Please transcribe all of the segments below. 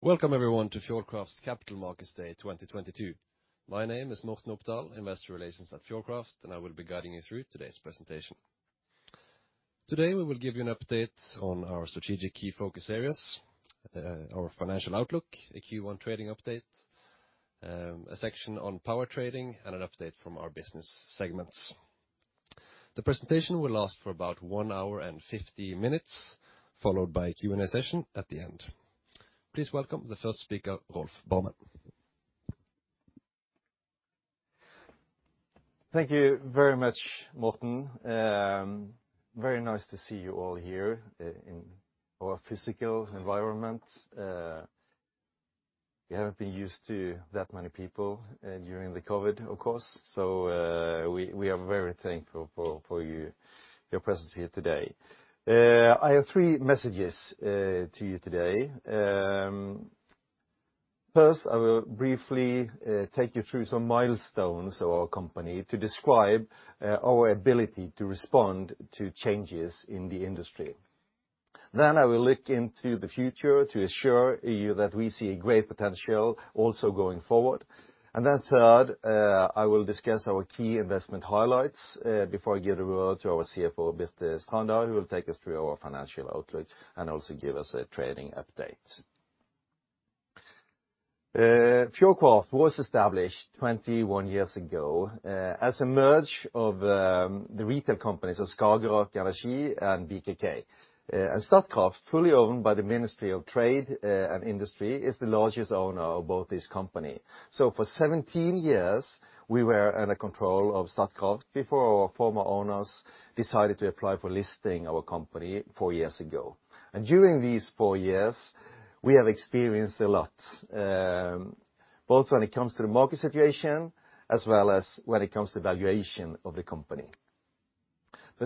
Welcome everyone to Fjordkraft's Capital Markets Day 2022. My name is Morten Opdal, Investor Relations at Fjordkraft, and I will be guiding you through today's presentation. Today, we will give you an update on our strategic key focus areas, our financial outlook, a Q1 trading update, a section on power trading, and an update from our business segments. The presentation will last for about 1 hour and 50 minutes, followed by Q&A session at the end. Please welcome the first speaker, Rolf Barmen. Thank you very much, Morten. Very nice to see you all here in our physical environment. We haven't been used to that many people during the COVID, of course. We are very thankful for your presence here today. I have three messages to you today. First, I will briefly take you through some milestones of our company to describe our ability to respond to changes in the industry. I will look into the future to assure you that we see a great potential also going forward. Third, I will discuss our key investment highlights before I give the word to our CFO, Birte Strander, who will take us through our financial outlook and also give us a trading update. Fjordkraft was established 21 years ago, as a merger of the retail companies of Skagerak Energi and BKK. Statkraft, fully owned by the Ministry of Trade, Industry and Fisheries, is the largest owner of both these companies. For 17 years, we were under control of Statkraft before our former owners decided to apply for listing our company four years ago. During these four years, we have experienced a lot, both when it comes to the market situation as well as when it comes to valuation of the company.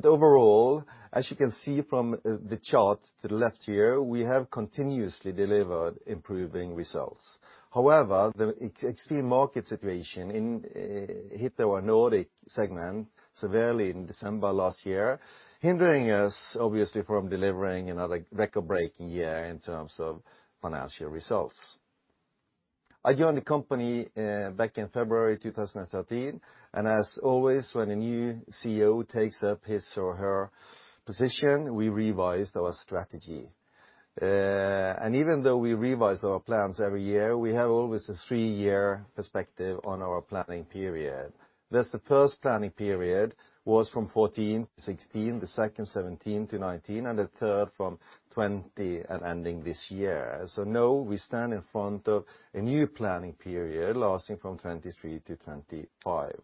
Overall, as you can see from the chart to the left here, we have continuously delivered improving results. However, the extreme market situation in December last year hit our Nordic segment severely, hindering us, obviously, from delivering another record-breaking year in terms of financial results. I joined the company back in February 2013, and as always, when a new CEO takes up his or her position, we revised our strategy. Even though we revise our plans every year, we have always a three-year perspective on our planning period. Thus, the first planning period was from 2014 to 2016, the second 2017 to 2019, and the third from 2020 and ending this year. Now we stand in front of a new planning period lasting from 2023 to 2025.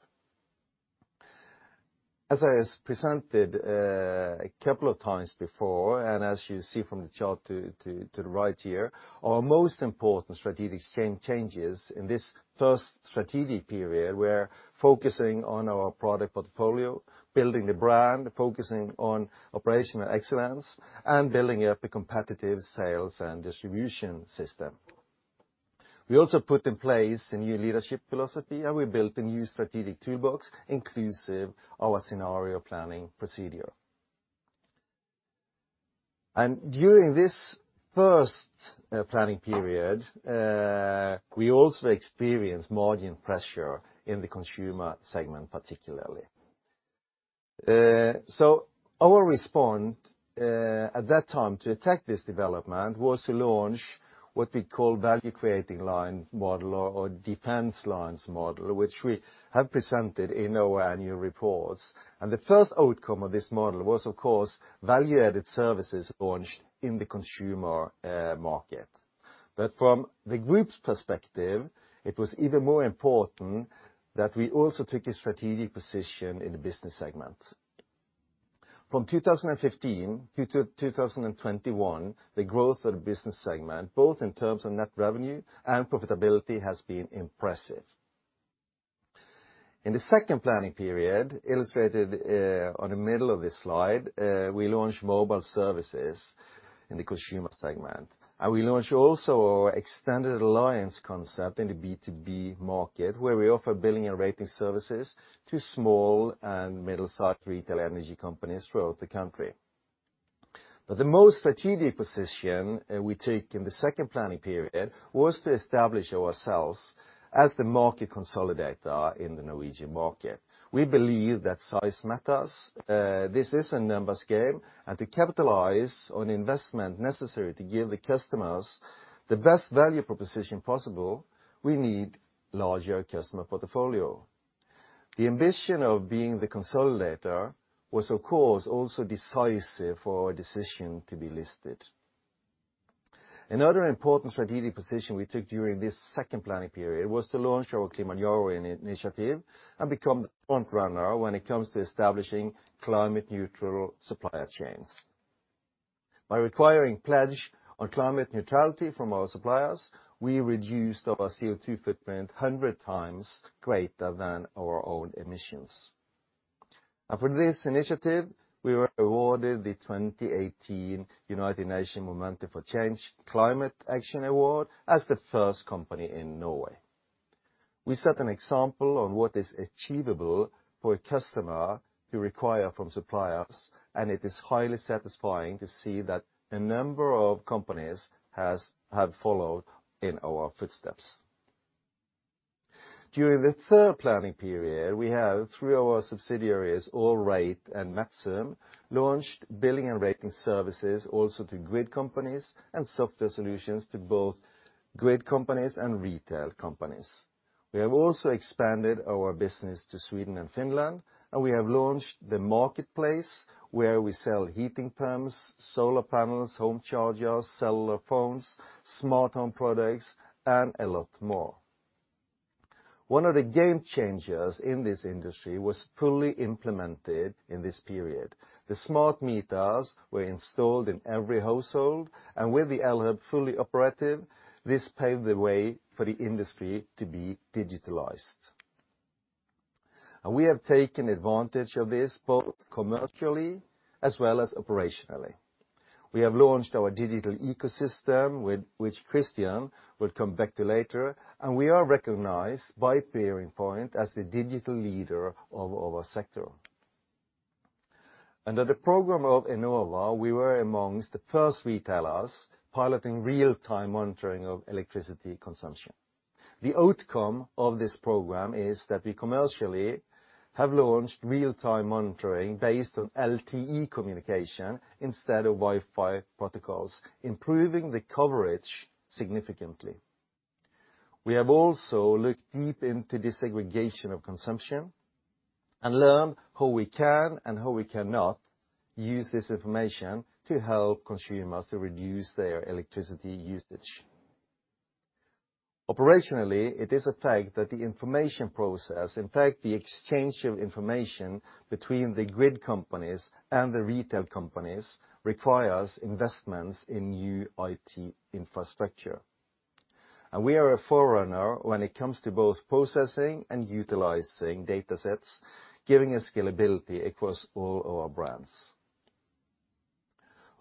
As I has presented a couple of times before, and as you see from the chart to the right here, our most important strategic changes in this first strategic period, we're focusing on our product portfolio, building the brand, focusing on operational excellence, and building up a competitive sales and distribution system. We also put in place a new leadership philosophy, and we built a new strategic toolbox inclusive of our scenario planning procedure. During this first planning period, we also experienced margin pressure in the consumer segment, particularly. Our response at that time to attack this development was to launch what we call value-creating line model or defense lines model, which we have presented in our annual reports. The first outcome of this model was, of course, value-added services launched in the consumer market. From the Group's perspective, it was even more important that we also took a strategic position in the business segment. From 2015 to 2021, the growth of the business segment, both in terms of net revenue and profitability, has been impressive. In the second planning period, illustrated on the middle of this slide, we launched mobile services in the consumer segment. We launched also our extended alliance concept in the B2B market, where we offer billing and rating services to small and middle-sized retail energy companies throughout the country. The most strategic position we take in the second planning period was to establish ourselves as the market consolidator in the Norwegian market. We believe that size matters. This is a numbers game. To capitalize on investment necessary to give the customers the best value proposition possible, we need larger customer portfolio. The ambition of being the consolidator was, of course, also decisive for our decision to be listed. Another important strategic position we took during this second planning period was to launch our Klimanjaro initiative and become the front-runner when it comes to establishing climate neutral supplier chains. By requiring pledge on climate neutrality from our suppliers, we reduced our CO2 footprint 100x greater than our own emissions. For this initiative, we were awarded the 2018 United Nations Momentum for Change Climate Action Award as the First Company in Norway. We set an example of what is achievable for a customer to require from suppliers, and it is highly satisfying to see that a number of companies have followed in our footsteps. During the third planning period, we have, through our subsidiaries, AllRate and Metzum, launched billing and rating services also to grid companies and software solutions to both grid companies and retail companies. We have also expanded our business to Sweden and Finland, and we have launched the marketplace where we sell heat pumps, solar panels, home chargers, cellular phones, smart home products, and a lot more. One of the game changers in this industry was fully implemented in this period. The smart meters were installed in every household, and with the Elhub fully operative, this paved the way for the industry to be digitized. We have taken advantage of this both commercially as well as operationally. We have launched our digital ecosystem with which Christian will come back to later, and we are recognized by BearingPoint as the digital leader of our sector. Under the program of Enova, we were among the first retailers piloting real-time monitoring of electricity consumption. The outcome of this program is that we commercially have launched real-time monitoring based on LTE communication instead of Wi-Fi protocols, improving the coverage significantly. We have also looked deep into disaggregation of consumption and learned how we can and how we cannot use this information to help consumers to reduce their electricity usage. Operationally, it is a fact that the information process, in fact, the exchange of information between the grid companies and the retail companies, requires investments in new IT infrastructure. We are a forerunner when it comes to both processing and utilizing data sets, giving us scalability across all our brands.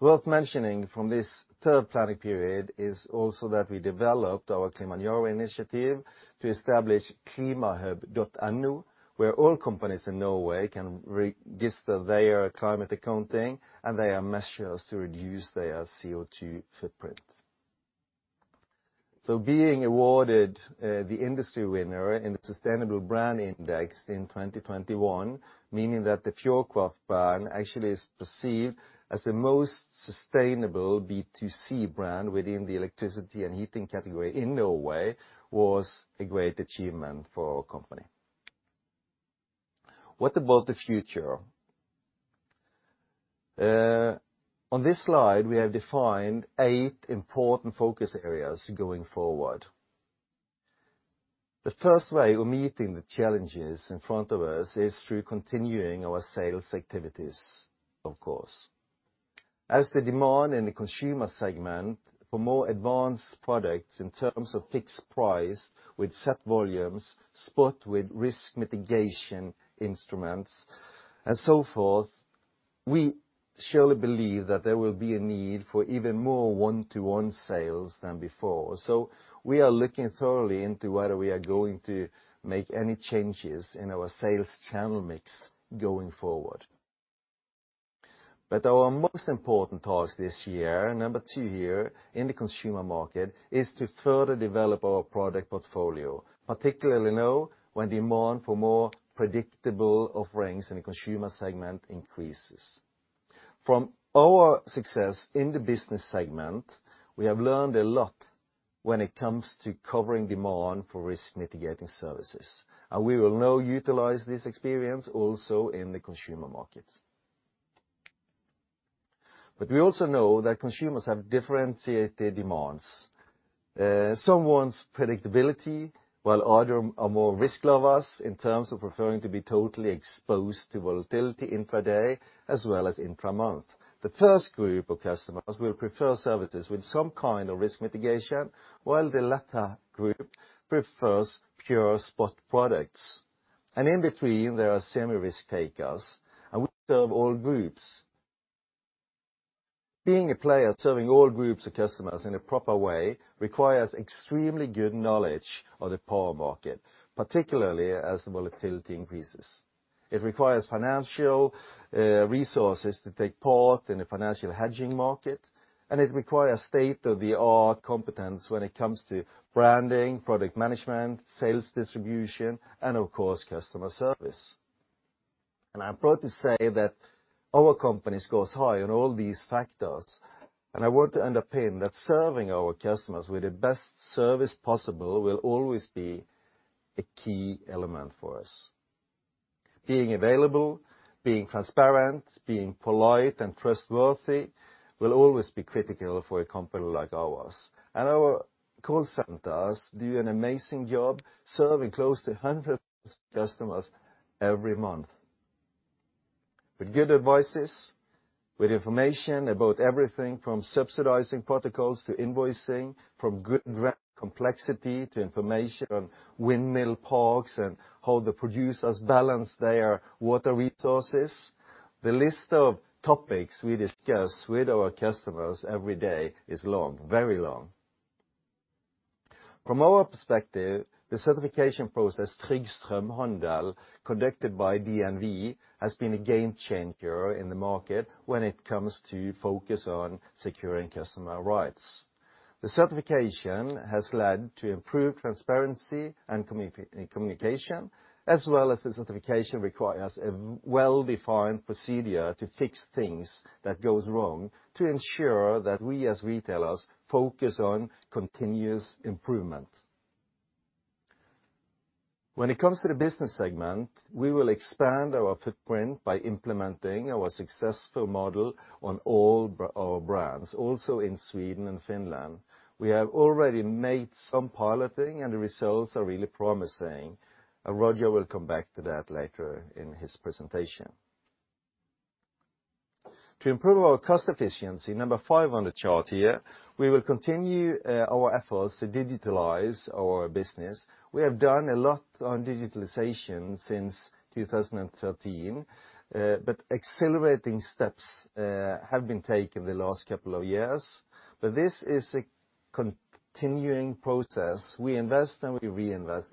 Worth mentioning from this third planning period is also that we developed our Klimanjaro initiative to establish klimahub.no where all companies in Norway can register their climate accounting and their measures to reduce their CO2 footprint. Being awarded the industry winner in the Sustainable Brand Index in 2021, meaning that the Fjordkraft brand actually is perceived as the most sustainable B2C brand within the electricity and heating category in Norway was a great achievement for our company. What about the future? On this slide, we have defined eight important focus areas going forward. The first way of meeting the challenges in front of us is through continuing our sales activities, of course. As the demand in the consumer segment for more advanced products in terms of fixed price with set volumes, spot with risk mitigation instruments, and so forth, we surely believe that there will be a need for even more one-to-one sales than before. We are looking thoroughly into whether we are going to make any changes in our sales channel mix going forward. Our most important task this year, number two here, in the consumer market, is to further develop our product portfolio, particularly now when demand for more predictable offerings in the consumer segment increases. From our success in the business segment, we have learned a lot when it comes to covering demand for risk mitigating services, and we will now utilize this experience also in the consumer markets. We also know that consumers have differentiated demands. Some want predictability, while other are more risk lovers in terms of preferring to be totally exposed to volatility intra-day as well as intra-month. The first group of customers will prefer services with some kind of risk mitigation, while the latter group prefers pure spot products. In between, there are semi-risk takers, and we serve all groups. Being a player serving all groups of customers in a proper way requires extremely good knowledge of the power market, particularly as the volatility increases. It requires financial resources to take part in the financial hedging market, and it requires state-of-the-art competence when it comes to branding, product management, sales distribution, and of course, customer service. I'm proud to say that our company scores high on all these factors, and I want to underpin that serving our customers with the best service possible will always be a key element for us. Being available, being transparent, being polite, and trustworthy will always be critical for a company like ours. Our call centers do an amazing job serving close to hundreds of customers every month. With good advice, with information about everything from subsidies, protocols to invoicing, from grid complexity to information on wind farms and how the producers balance their water resources. The list of topics we discuss with our customers every day is long, very long. From our perspective, the certification process, Trygg Strømhandel, conducted by DNV has been a game changer in the market when it comes to focus on securing customer rights. The certification has led to improved transparency and communication, as well as the certification requires a well-defined procedure to fix things that goes wrong to ensure that we as retailers focus on continuous improvement. When it comes to the business segment, we will expand our footprint by implementing our successful model on all our brands, also in Sweden and Finland. We have already made some piloting, and the results are really promising. Roger will come back to that later in his presentation. To improve our cost efficiency, number five on the chart here, we will continue our efforts to digitalize our business. We have done a lot on digitalization since 2013. Accelerating steps have been taken the last couple of years. This is a continuing process. We invest, and we reinvest.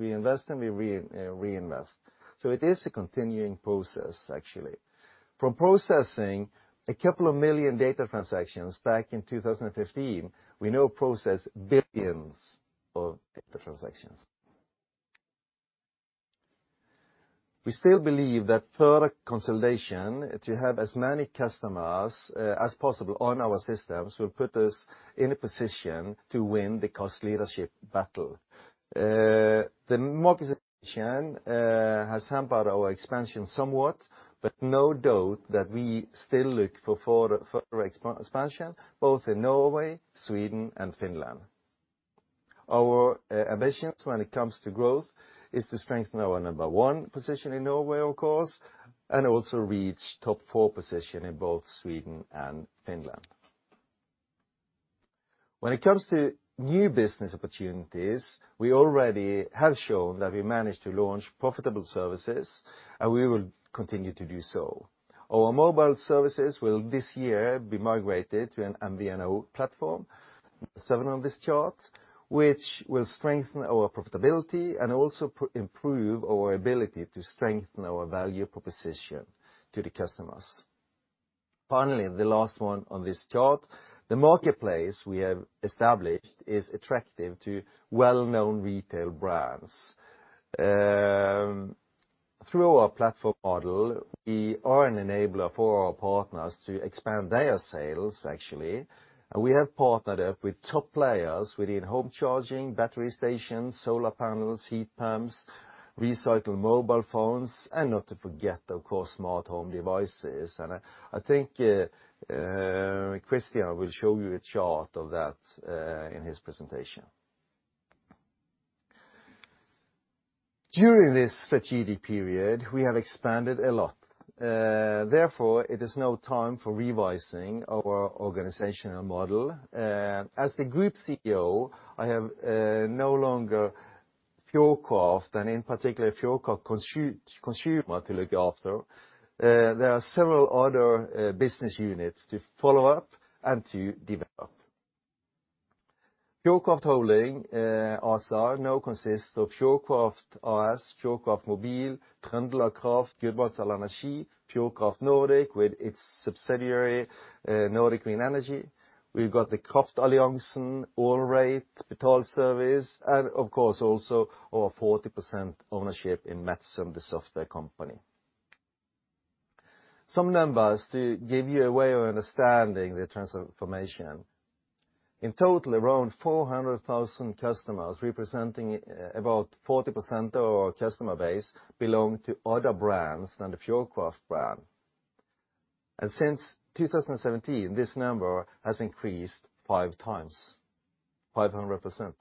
It is a continuing process actually. From processing a couple of million data transactions back in 2015, we now process billions of data transactions. We still believe that further consolidation to have as many customers as possible on our systems will put us in a position to win the cost leadership battle. The marketization has hampered our expansion somewhat, but no doubt that we still look for further expansion both in Norway, Sweden and Finland. Our ambitions when it comes to growth is to strengthen our number one position in Norway, of course, and also reach top four position in both Sweden and Finland. When it comes to new business opportunities, we already have shown that we managed to launch profitable services, and we will continue to do so. Our mobile services will this year be migrated to an MVNO platform, seven on this chart, which will strengthen our profitability and also improve our ability to strengthen our value proposition to the customers. Finally, the last one on this chart, the marketplace we have established is attractive to well-known retail brands. Through our platform model, we are an enabler for our partners to expand their sales actually. We have partnered up with top players within home charging, battery stations, solar panels, heat pumps, recycled mobile phones and not to forget, of course, smart home devices. I think Christian will show you a chart of that in his presentation. During this strategic period, we have expanded a lot. Therefore, it is now time for revising our organizational model. As the Group CEO, I have no longer Fjordkraft and in particular Fjordkraft Consumer to look after. There are several other business units to follow up and to develop. Fjordkraft Holding also now consists of Fjordkraft AS, Fjordkraft Mobil, TrøndelagKraft, Gudbrandsdal Energi, Fjordkraft Nordic with its subsidiary Nordic Green Energy. We've got the Kraftalliansen, Allrate, Betalservice, and of course also our 40% ownership in Metzum, the software company. Some numbers to give you a way of understanding the transformation. In total, around 400,000 customers representing about 40% of our customer base belong to other brands than the Fjordkraft brand. Since 2017, this number has increased 5x, 500%.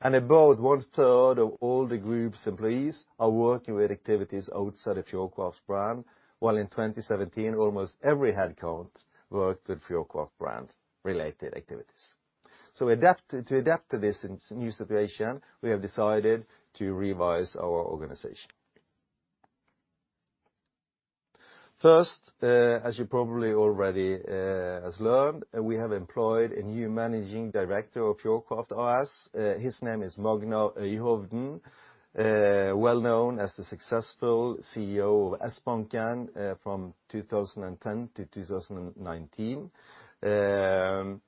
About one third of all the group's employees are working with activities outside of Fjordkraft's brand, while in 2017, almost every headcount worked with Fjordkraft brand related activities. To adapt to this new situation, we have decided to revise our organization. First, as you probably already has learned, we have employed a new managing director of Fjordkraft AS. His name is Magnar Øyhovden, well known as the successful CEO of Skandiabanken, from 2010 to 2019. I'm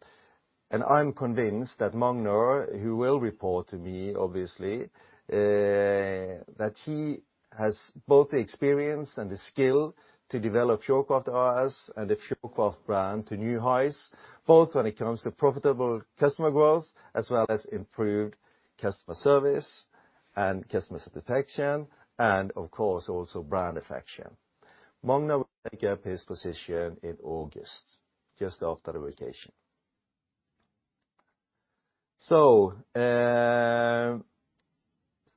convinced that Magnar, who will report to me obviously, that he has both the experience and the skill to develop Fjordkraft AS and the Fjordkraft brand to new highs, both when it comes to profitable customer growth as well as improved customer service and customer satisfaction and of course, also brand affection. Magnar will take up his position in August, just after the vacation.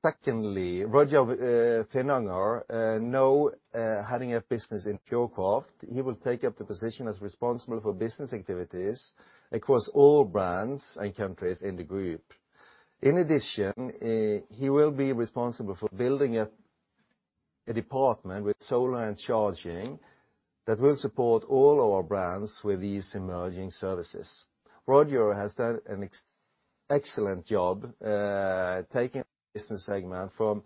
Secondly, Roger Finnanger, now heading up business in Fjordkraft, he will take up the position as responsible for business activities across all brands and countries in the group. In addition, he will be responsible for building a department with solar and charging that will support all our brands with these emerging services. Roger has done an excellent job taking this business segment from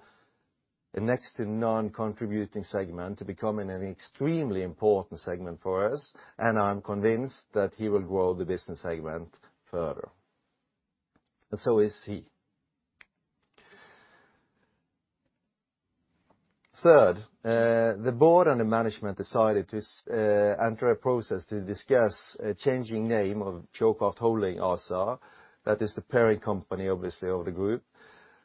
a next to non-contributing segment to becoming an extremely important segment for us, and I'm convinced that he will grow the business segment further. So is he. Third, the board and the management decided to enter a process to discuss a changing name of Fjordkraft Holding ASA. That is the parent company, obviously, of the group.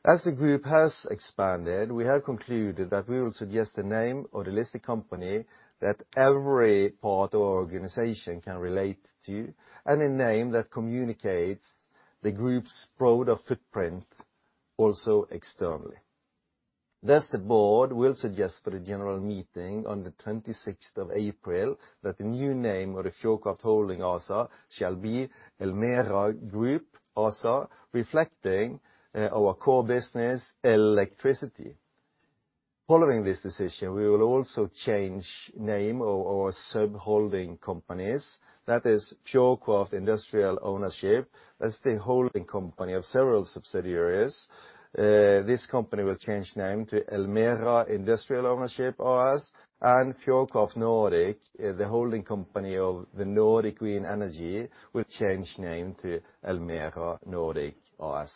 As the group has expanded, we have concluded that we will suggest the name of the listed company that every part or organization can relate to, and a name that communicates the group's broader footprint also externally. Thus, the board will suggest for the general meeting on April 26th that the new name of the Fjordkraft Holding ASA shall be Elmera Group ASA, reflecting our core business, electricity. Following this decision, we will also change name of our sub-holding companies, that is Fjordkraft Industrial Ownership. That's the holding company of several subsidiaries. This company will change name to Elmera Industrial Ownership AS and Fjordkraft Nordic, the holding company of the Nordic Green Energy, will change name to Elmera Nordic AS.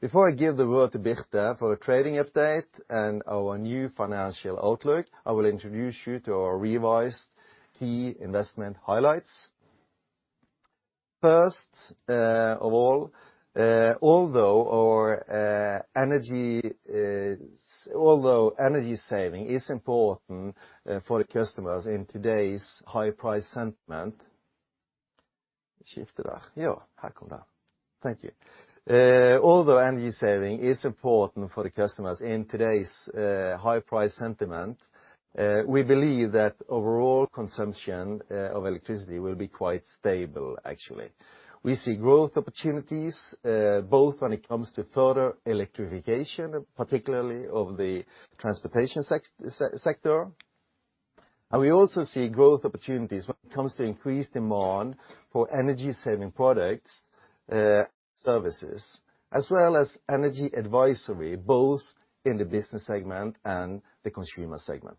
Before I give the word to Birte for a trading update and our new financial outlook, I will introduce you to our revised key investment highlights. First of all, although energy saving is important for the customers in today's high-price sentiment. Thank you. Although energy saving is important for the customers in today's high-price sentiment, we believe that overall consumption of electricity will be quite stable actually. We see growth opportunities both when it comes to further electrification, particularly of the transportation sector. We also see growth opportunities when it comes to increased demand for energy-saving products, services, as well as energy advisory, both in the business segment and the consumer segment.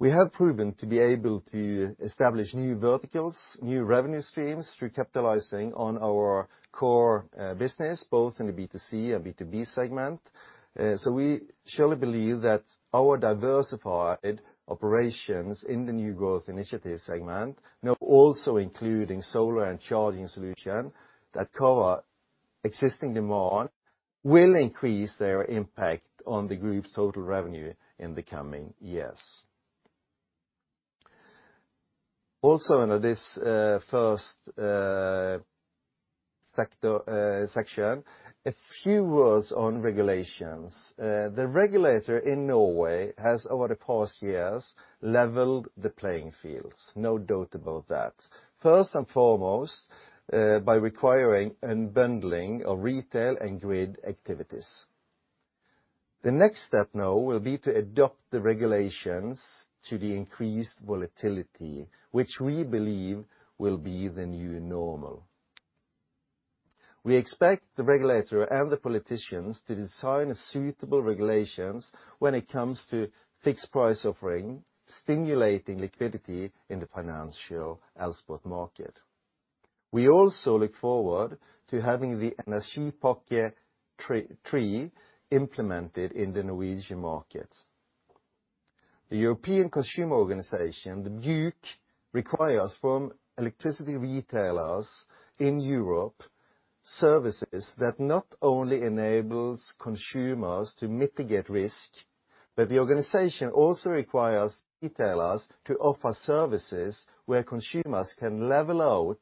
We have proven to be able to establish new verticals, new revenue streams through capitalizing on our core business, both in the B2C and B2B segment. We surely believe that our diversified operations in the New Growth Initiatives segment, now also including solar and charging solution that cover existing demand, will increase their impact on the group's total revenue in the coming years. Also under this first sector section, a few words on regulations. The regulator in Norway has, over the past years, leveled the playing fields. No doubt about that. First and foremost, by requiring unbundling of retail and grid activities. The next step now will be to adopt the regulations to the increased volatility, which we believe will be the new normal. We expect the regulator and the politicians to design suitable regulations when it comes to fixed price offering, stimulating liquidity in the financial Elspot market. We also look forward to having the Third Energy Package implemented in the Norwegian market. The European Consumer Organization, the BEUC, requires from electricity retailers in Europe services that not only enables consumers to mitigate risk, but the organization also requires retailers to offer services where consumers can level out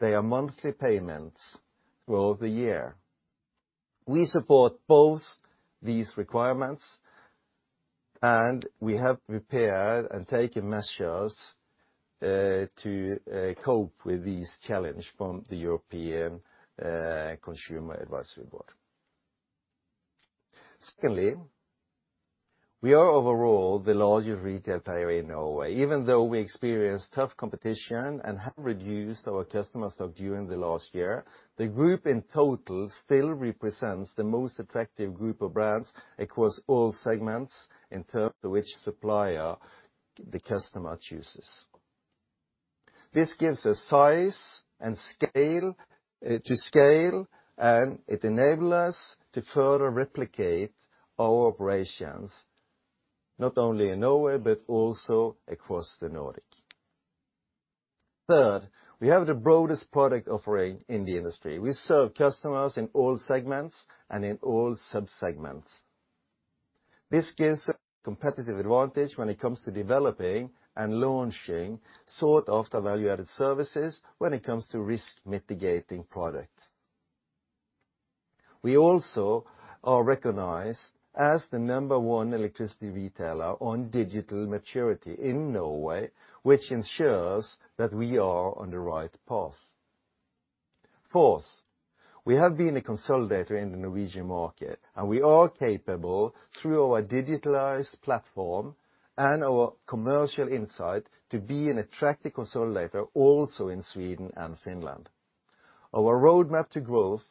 their monthly payments throughout the year. We support both these requirements, and we have prepared and taken measures to cope with this challenge from the European Consumer Advisory Board. Secondly, we are overall the largest retail player in Norway. Even though we experience tough competition and have reduced our customer stock during the last year, the group in total still represents the most attractive group of brands across all segments in terms of which supplier the customer chooses. This gives us size and scale to scale, and it enable us to further replicate our operations, not only in Norway but also across the Nordic. Third, we have the broadest product offering in the industry. We serve customers in all segments and in all sub-segments. This gives us competitive advantage when it comes to developing and launching sought-after value-added services when it comes to risk-mitigating products. We also are recognized as the number one electricity retailer on digital maturity in Norway, which ensures that we are on the right path. Fourth, we have been a consolidator in the Norwegian market, and we are capable through our digitalized platform and our commercial insight to be an attractive consolidator also in Sweden and Finland. Our roadmap to growth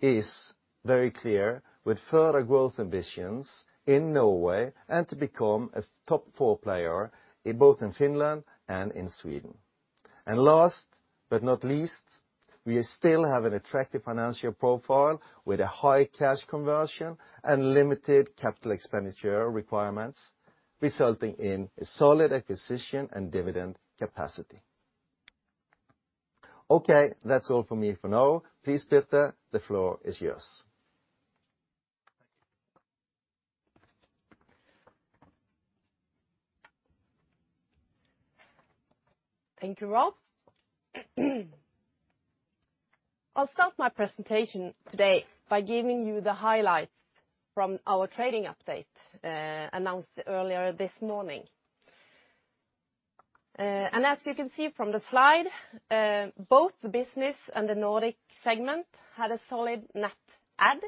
is very clear with further growth ambitions in Norway and to become a top four player in both Finland and Sweden. Last but not least, we still have an attractive financial profile with a high cash conversion and limited capital expenditure requirements, resulting in a solid acquisition and dividend capacity. Okay, that's all from me for now. Please, Birte, the floor is yours. Thank you. Thank you, Rolf. I'll start my presentation today by giving you the highlights from our trading update, announced earlier this morning. As you can see from the slide, both the Business and the Nordic segments had a solid net add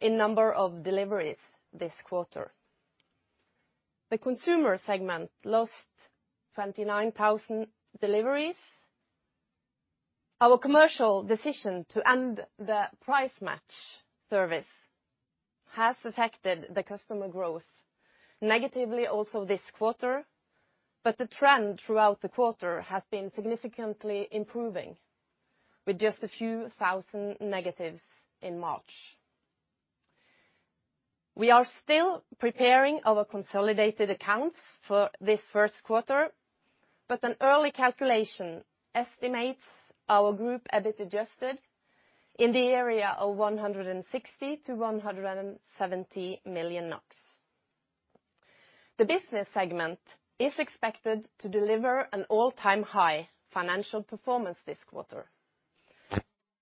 in number of deliveries this quarter. The Consumer segment lost 29,000 deliveries. Our commercial decision to end the price match service has affected the customer growth negatively also this quarter, but the trend throughout the quarter has been significantly improving with just a few thousand negatives in March. We are still preparing our consolidated accounts for this first quarter, but an early calculation estimates our group EBIT Adjusted in the area of 160 million-170 million NOK. The Business segment is expected to deliver an all-time high financial performance this quarter.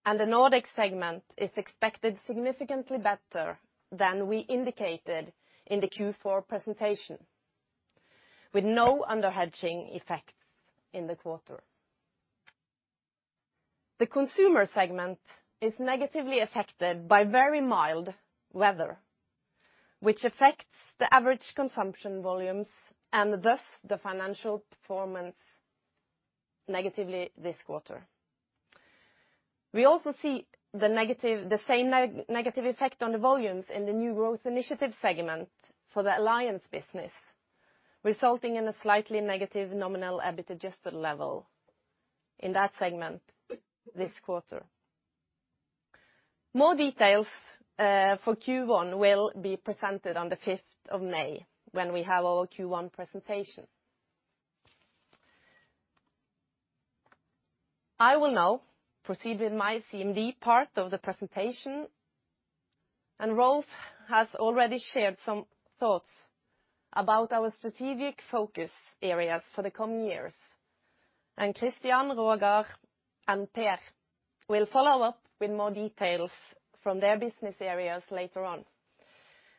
The Nordic segment is expected significantly better than we indicated in the Q4 presentation, with no underhedging effects in the quarter. The consumer segment is negatively affected by very mild weather, which affects the average consumption volumes and thus the financial performance negatively this quarter. We also see the same negative effect on the volumes in the new growth initiative segment for the alliance business, resulting in a slightly negative nominal EBIT Adjusted level in that segment this quarter. More details for Q1 will be presented on May 5th when we have our Q1 presentation. I will now proceed with my CMD part of the presentation. Rolf has already shared some thoughts about our strategic focus areas for the coming years. Christian, Roger, and Per will follow up with more details from their business areas later on.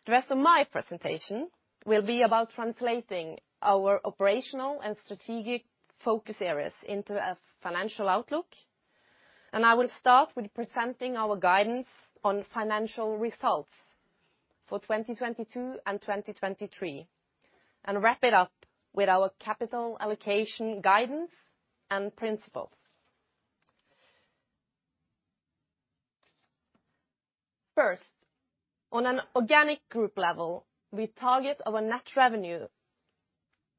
The rest of my presentation will be about translating our operational and strategic focus areas into a financial outlook, and I will start with presenting our guidance on Financial Results for 2022 and 2023 and wrap it up with our capital allocation guidance and principles. First, on an organic group level, we target our net revenue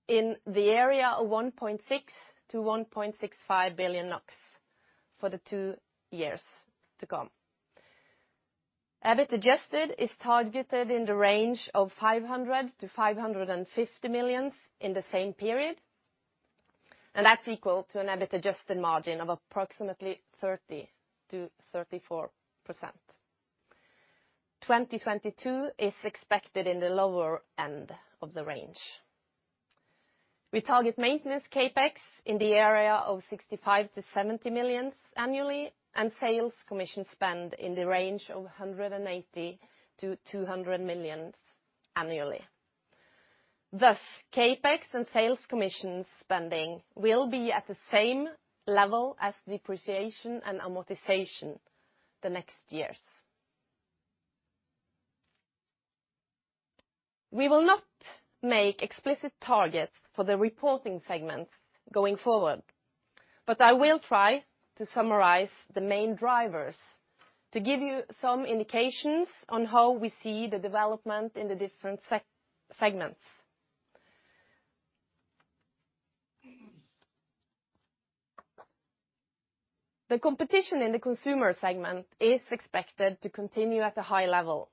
in the area of 1.6 billion-1.65 billion NOK for the two years to come. EBIT Adjusted is targeted in the range of 500 million-550 million in the same period, and that's equal to an EBIT Adjusted margin of approximately 30%-34%. 2022 is expected in the lower end of the range. We target maintenance CapEx in the area of 65 million-70 million annually and sales commission spend in the range of 180 million-200 million annually. Thus, CapEx and sales commission spending will be at the same level as depreciation and amortization the next years. We will not make explicit targets for the reporting segments going forward, but I will try to summarize the main drivers to give you some indications on how we see the development in the different segments. The competition in the consumer segment is expected to continue at a high level.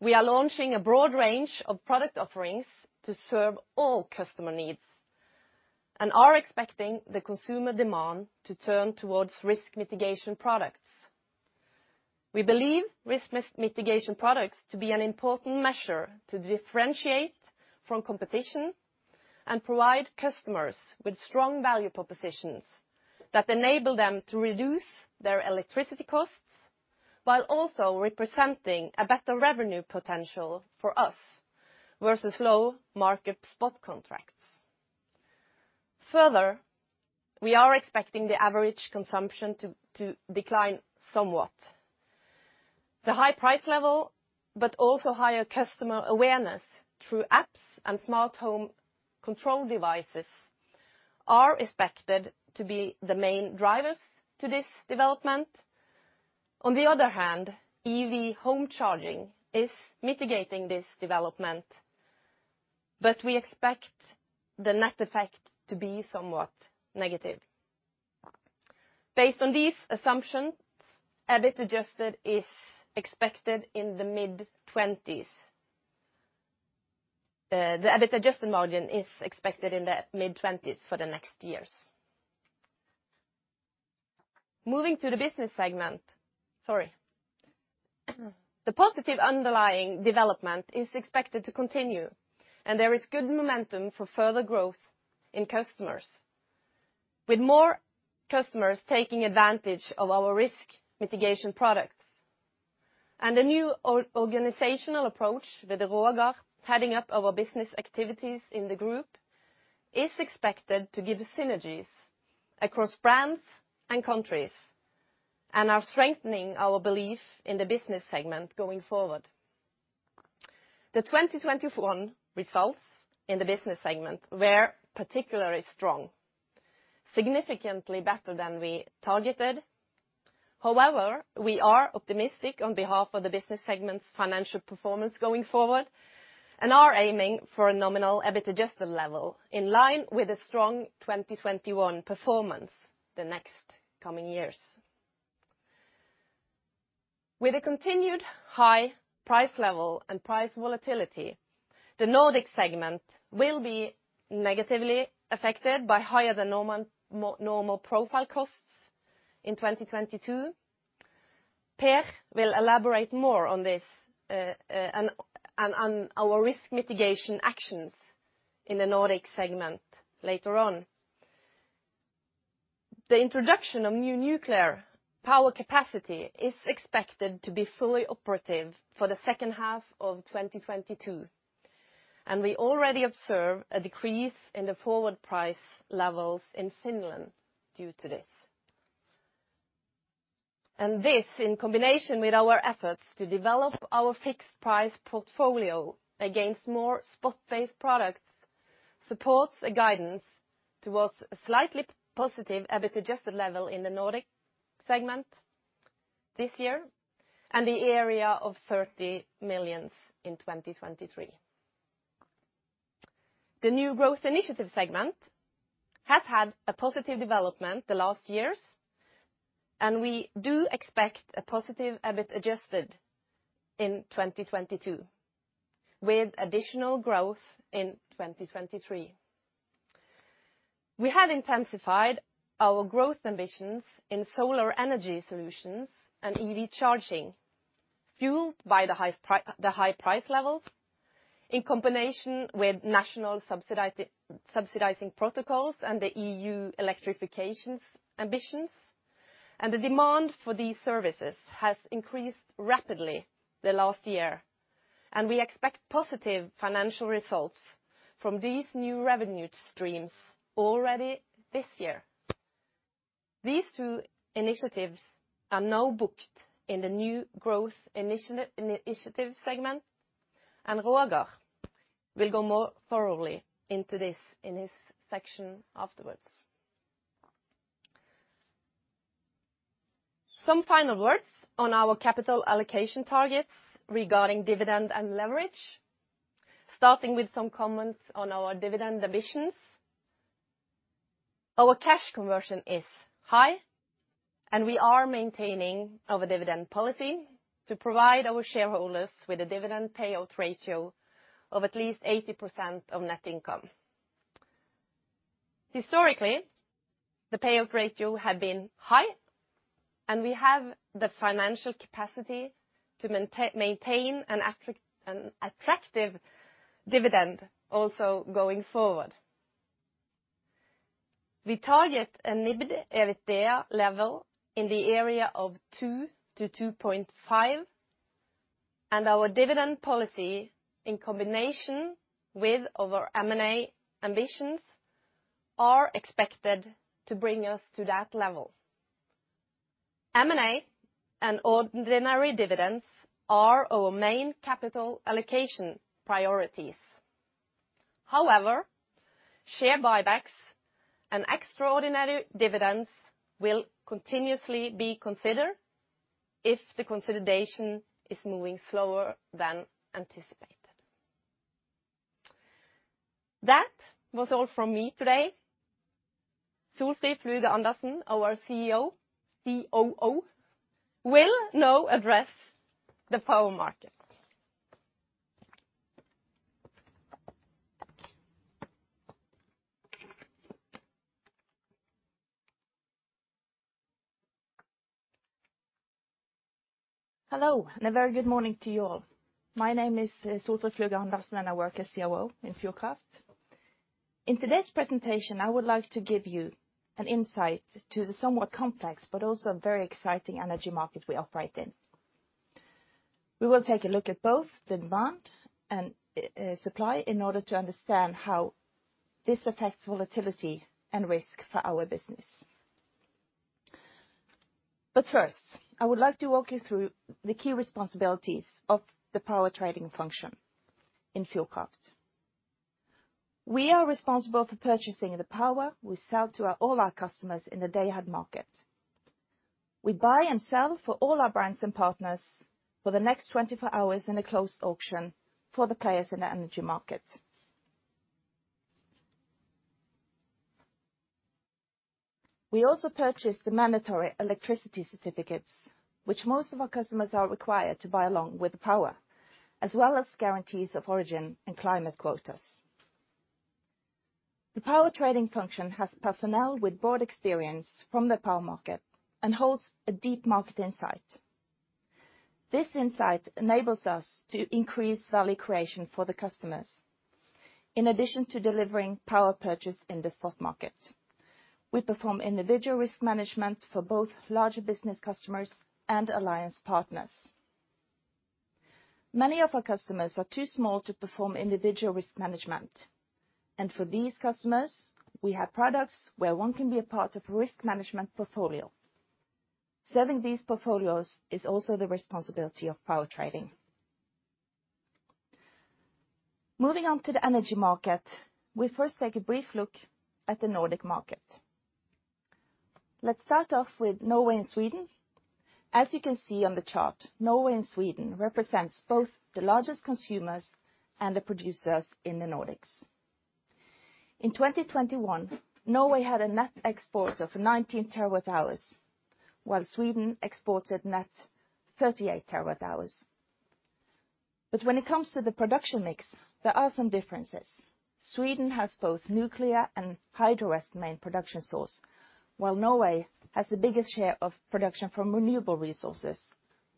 We are launching a broad range of product offerings to serve all customer needs and are expecting the consumer demand to turn towards risk mitigation products. We believe risk mitigation products to be an important measure to differentiate from competition and provide customers with strong value propositions that enable them to reduce their electricity costs, while also representing a better revenue potential for us versus low market spot contracts. Further, we are expecting the average consumption to decline somewhat. The high price level, but also higher customer awareness through apps and smart home control devices, are expected to be the main drivers to this development. On the other hand, EV home charging is mitigating this development, but we expect the net effect to be somewhat negative. Based on these assumptions, EBIT Adjusted is expected in the mid-20s. The EBIT Adjusted margin is expected in the mid-20s for the next years. Moving to the business segment. Sorry. The positive underlying development is expected to continue, and there is good momentum for further growth in customers, with more customers taking advantage of our risk mitigation products. A new organizational approach with Roger heading up our business activities in the group is expected to give synergies across brands and countries, and are strengthening our belief in the business segment going forward. The 2021 results in the business segment were particularly strong, significantly better than we targeted. However, we are optimistic on behalf of the business segment's financial performance going forward, and are aiming for a nominal EBIT Adjusted level in line with a strong 2021 performance the next coming years. With a continued high price level and price volatility, the Nordic segment will be negatively affected by higher than normal profile costs in 2022. Per will elaborate more on this, on our risk mitigation actions in the Nordic segment later on. The introduction of new nuclear power capacity is expected to be fully operative for the second half of 2022, and we already observe a decrease in the forward price levels in Finland due to this. This, in combination with our efforts to develop our fixed price portfolio against more spot-based products, supports a guidance towards a slightly positive Adjusted EBIT level in the Nordic segment this year, and in the area of 30 million in 2023. The New Growth Initiative segment has had a positive development the last years, and we do expect a positive EBIT Adjusted in 2022, with additional growth in 2023. We have intensified our growth ambitions in solar energy solutions and EV charging, fueled by the high price levels, in combination with national subsidizing protocols and the EU electrification ambitions. The demand for these services has increased rapidly the last year, and we expect positive financial results from these new revenue streams already this year. These two initiatives are now booked in the New Growth Initiatives segment, and Roger will go more thoroughly into this in his section afterwards. Some final words on our capital allocation targets regarding dividend and leverage, starting with some comments on our dividend ambitions. Our cash conversion is high, and we are maintaining our dividend policy to provide our shareholders with a dividend payout ratio of at least 80% of net income. Historically, the payout ratio had been high, and we have the financial capacity to maintain an attractive dividend also going forward. We target an EBIT level in the area of 2-2.5, and our dividend policy, in combination with our M&A ambitions, are expected to bring us to that level. M&A and ordinary dividends are our main capital allocation priorities. However, share buybacks and extraordinary dividends will continuously be considered if the consolidation is moving slower than anticipated. That was all from me today. Solfrid Fluge Andersen, our CEO, COO, will now address the power market. Hello, and a very good morning to you all. My name is Solfrid Fluge Andersen, and I work as COO in Fjordkraft. In today's presentation, I would like to give you an insight to the somewhat complex but also very exciting energy market we operate in. We will take a look at both the demand and supply in order to understand how this affects volatility and risk for our business. First, I would like to walk you through the key responsibilities of the power trading function in Fjordkraft. We are responsible for purchasing the power we sell to our all our customers in the day-ahead market. We buy and sell for all our brands and partners for the next 24 hours in a closed auction for the players in the energy market. We also purchase the mandatory electricity certificates, which most of our customers are required to buy along with the power, as well as guarantees of origin and climate quotas. The power trading function has personnel with broad experience from the power market and holds a deep market insight. This insight enables us to increase value creation for the customers. In addition to delivering power purchase in the spot market, we perform individual risk management for both larger business customers and alliance partners. Many of our customers are too small to perform individual risk management, and for these customers, we have products where one can be a part of risk management portfolio. Serving these portfolios is also the responsibility of power trading. Moving on to the energy market, we first take a brief look at the Nordic market. Let's start off with Norway and Sweden. As you can see on the chart, Norway and Sweden represents both the largest consumers and the producers in the Nordics. In 2021, Norway had a net export of 19 TWh, while Sweden exported net 38 TWh. When it comes to the production mix, there are some differences. Sweden has both nuclear and hydro as the main production source, while Norway has the biggest share of production from renewable resources,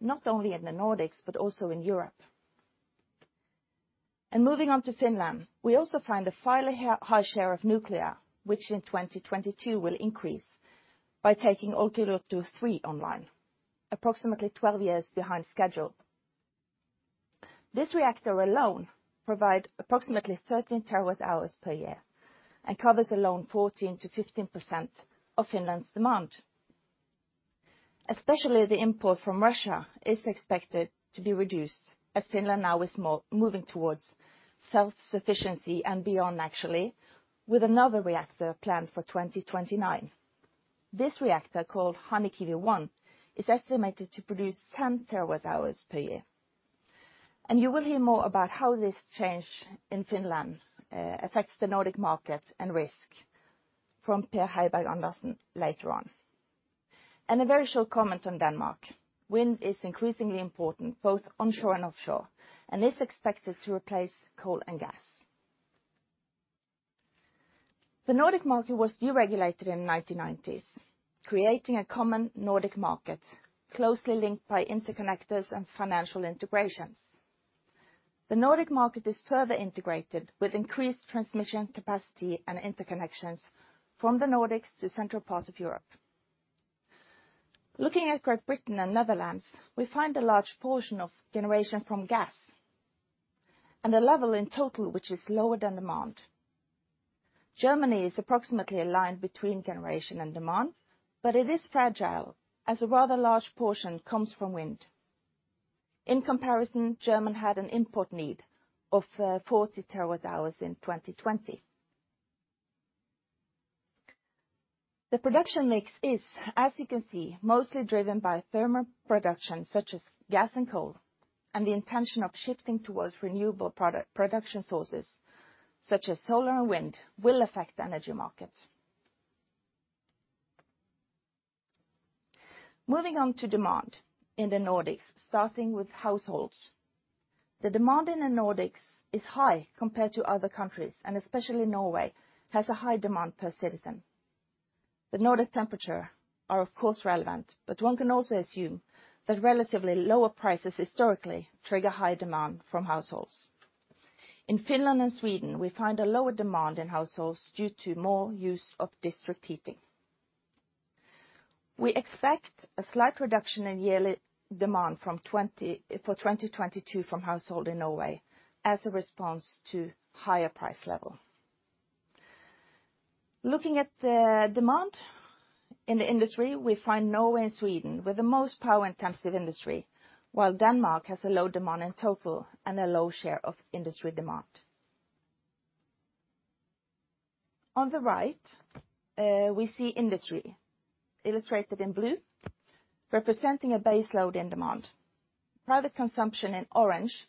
not only in the Nordics, but also in Europe. Moving on to Finland, we also find a fairly high share of nuclear, which in 2022 will increase by taking Olkiluoto 3 online, approximately 12 years behind schedule. This reactor alone provide approximately 13 TWh per year and covers alone 14%-15% of Finland's demand. Especially the import from Russia is expected to be reduced as Finland now is moving towards self-sufficiency and beyond actually, with another reactor planned for 2029. This reactor, called Hanhikivi 1, is estimated to produce 10 TWh per year. You will hear more about how this change in Finland affects the Nordic market and risk from Per Heiberg-Andersen later on. A very short comment on Denmark. Wind is increasingly important, both onshore and offshore, and is expected to replace coal and gas. The Nordic market was deregulated in the 1990s, creating a common Nordic market closely linked by interconnectors and financial integrations. The Nordic market is further integrated with increased transmission capacity and interconnections from the Nordics to central part of Europe. Looking at Great Britain and the Netherlands, we find a large portion of generation from gas and a level in total which is lower than demand. Germany is approximately aligned between generation and demand, but it is fragile as a rather large portion comes from wind. In comparison, Germany had an import need of 40 TWh in 2020. The production mix is, as you can see, mostly driven by thermal production such as gas and coal, and the intention of shifting towards renewable production sources such as solar and wind will affect the energy market. Moving on to demand in the Nordics, starting with households. The demand in the Nordics is high compared to other countries, and especially Norway has a high demand per citizen. The Nordic temperatures are of course relevant, but one can also assume that relatively lower prices historically trigger high demand from households. In Finland and Sweden, we find a lower demand in households due to more use of district heating. We expect a slight reduction in yearly demand from 20 for 2022 from household in Norway as a response to higher price level. Looking at the demand in the industry, we find Norway and Sweden with the most power intensive industry, while Denmark has a low demand in total and a low share of industry demand. On the right, we see industry illustrated in blue, representing a base load in demand. Private consumption in orange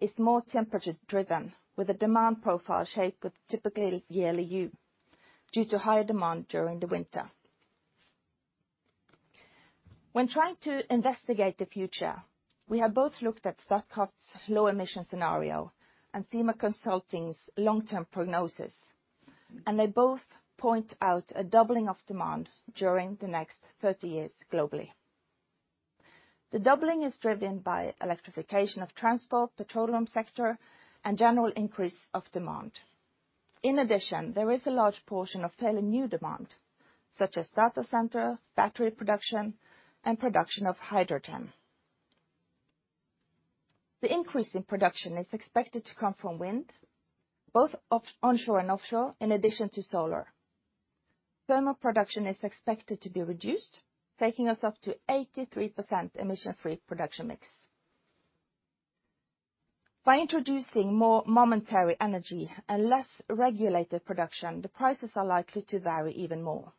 is more temperature driven, with a demand profile shaped with typically yearly U due to higher demand during the winter. When trying to investigate the future, we have both looked at Statkraft's low emission scenario and THEMA Consulting's long-term prognosis. They both point out a doubling of demand during the next 30 years globally. The doubling is driven by electrification of transport, petroleum sector, and general increase of demand. In addition, there is a large portion of fairly new demand, such as data center, battery production, and production of hydrogen. The increase in production is expected to come from wind, both onshore and offshore, in addition to solar. Thermal production is expected to be reduced, taking us up to 83% emission-free production mix. By introducing more intermittent energy and less regulated production, the prices are likely to vary even more.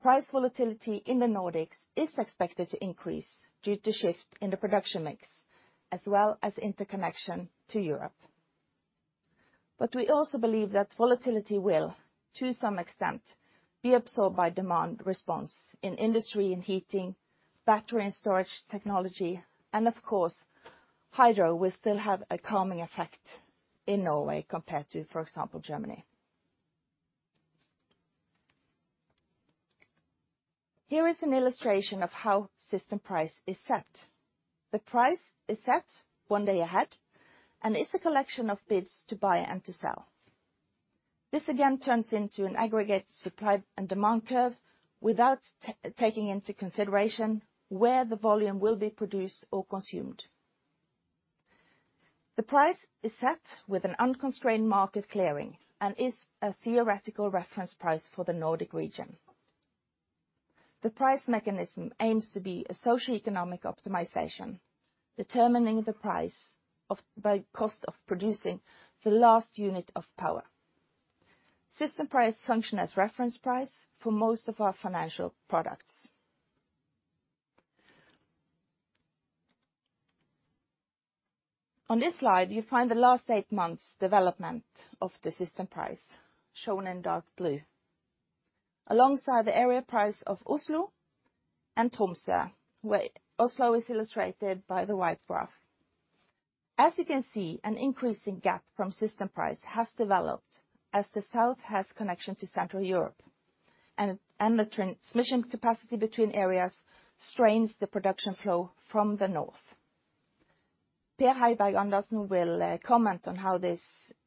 Price volatility in the Nordics is expected to increase due to shift in the production mix, as well as interconnection to Europe. We also believe that volatility will, to some extent, be absorbed by demand response in industry and heating, battery and storage technology, and of course, hydro will still have a calming effect in Norway compared to, for example, Germany. Here is an illustration of how system price is set. The price is set one day ahead and it's a collection of bids to buy and to sell. This again turns into an aggregate supply and demand curve without taking into consideration where the volume will be produced or consumed. The price is set with an unconstrained market clearing and is a theoretical reference price for the Nordic region. The price mechanism aims to be a socioeconomic optimization, determining the price by cost of producing the last unit of power. System price function as reference price for most of our financial products. On this slide, you find the last eight months development of the system price, shown in dark blue, alongside the area price of Oslo and Tromsø, where Oslo is illustrated by the white graph. As you can see, an increasing gap from system price has developed as the south has connection to Central Europe, and the transmission capacity between areas strains the production flow from the north. Per Heiberg-Andersen will comment on how this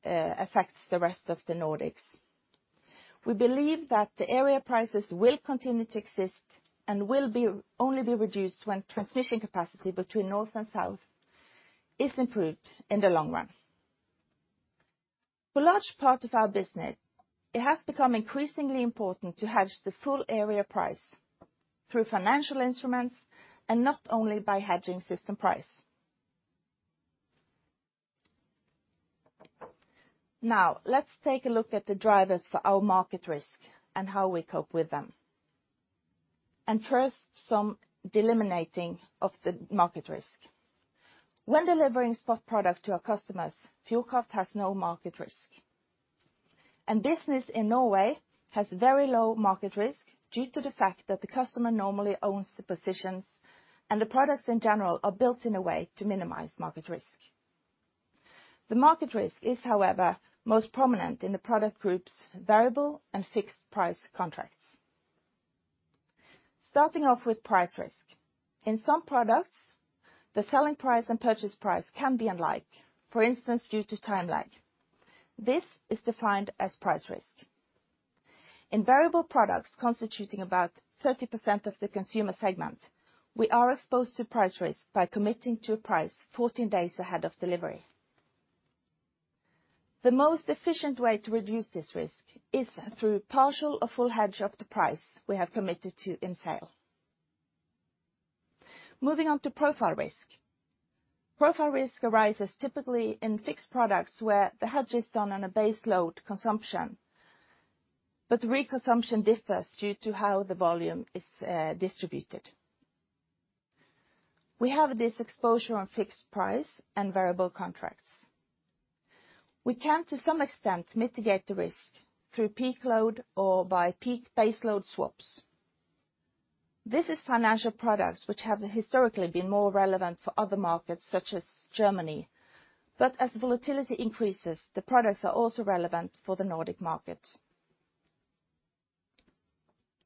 affects the rest of the Nordics. We believe that the area prices will continue to exist and will only be reduced when transmission capacity between north and south is improved in the long run. For large part of our business, it has become increasingly important to hedge the full area price through financial instruments and not only by hedging system price. Now, let's take a look at the drivers for our market risk and how we cope with them. First, some delimiting of the market risk. When delivering spot product to our customers, fuel cost has no market risk. Business in Norway has very low market risk due to the fact that the customer normally owns the positions and the products in general are built in a way to minimize market risk. The market risk is, however, most prominent in the product group's variable and fixed price contracts. Starting off with price risk. In some products, the selling price and purchase price can be unlinked, for instance, due to time lag. This is defined as price risk. In variable products constituting about 30% of the consumer segment, we are exposed to price risk by committing to a price 14 days ahead of delivery. The most efficient way to reduce this risk is through partial or full hedge of the price we have committed to in sale. Moving on to profile risk. Profile risk arises typically in fixed products where the hedge is done on a base load consumption, but the re-consumption differs due to how the volume is distributed. We have this exposure on fixed price and variable contracts. We can, to some extent, mitigate the risk through peak load or by peak base load swaps. This is financial products which have historically been more relevant for other markets such as Germany. As volatility increases, the products are also relevant for the Nordic market.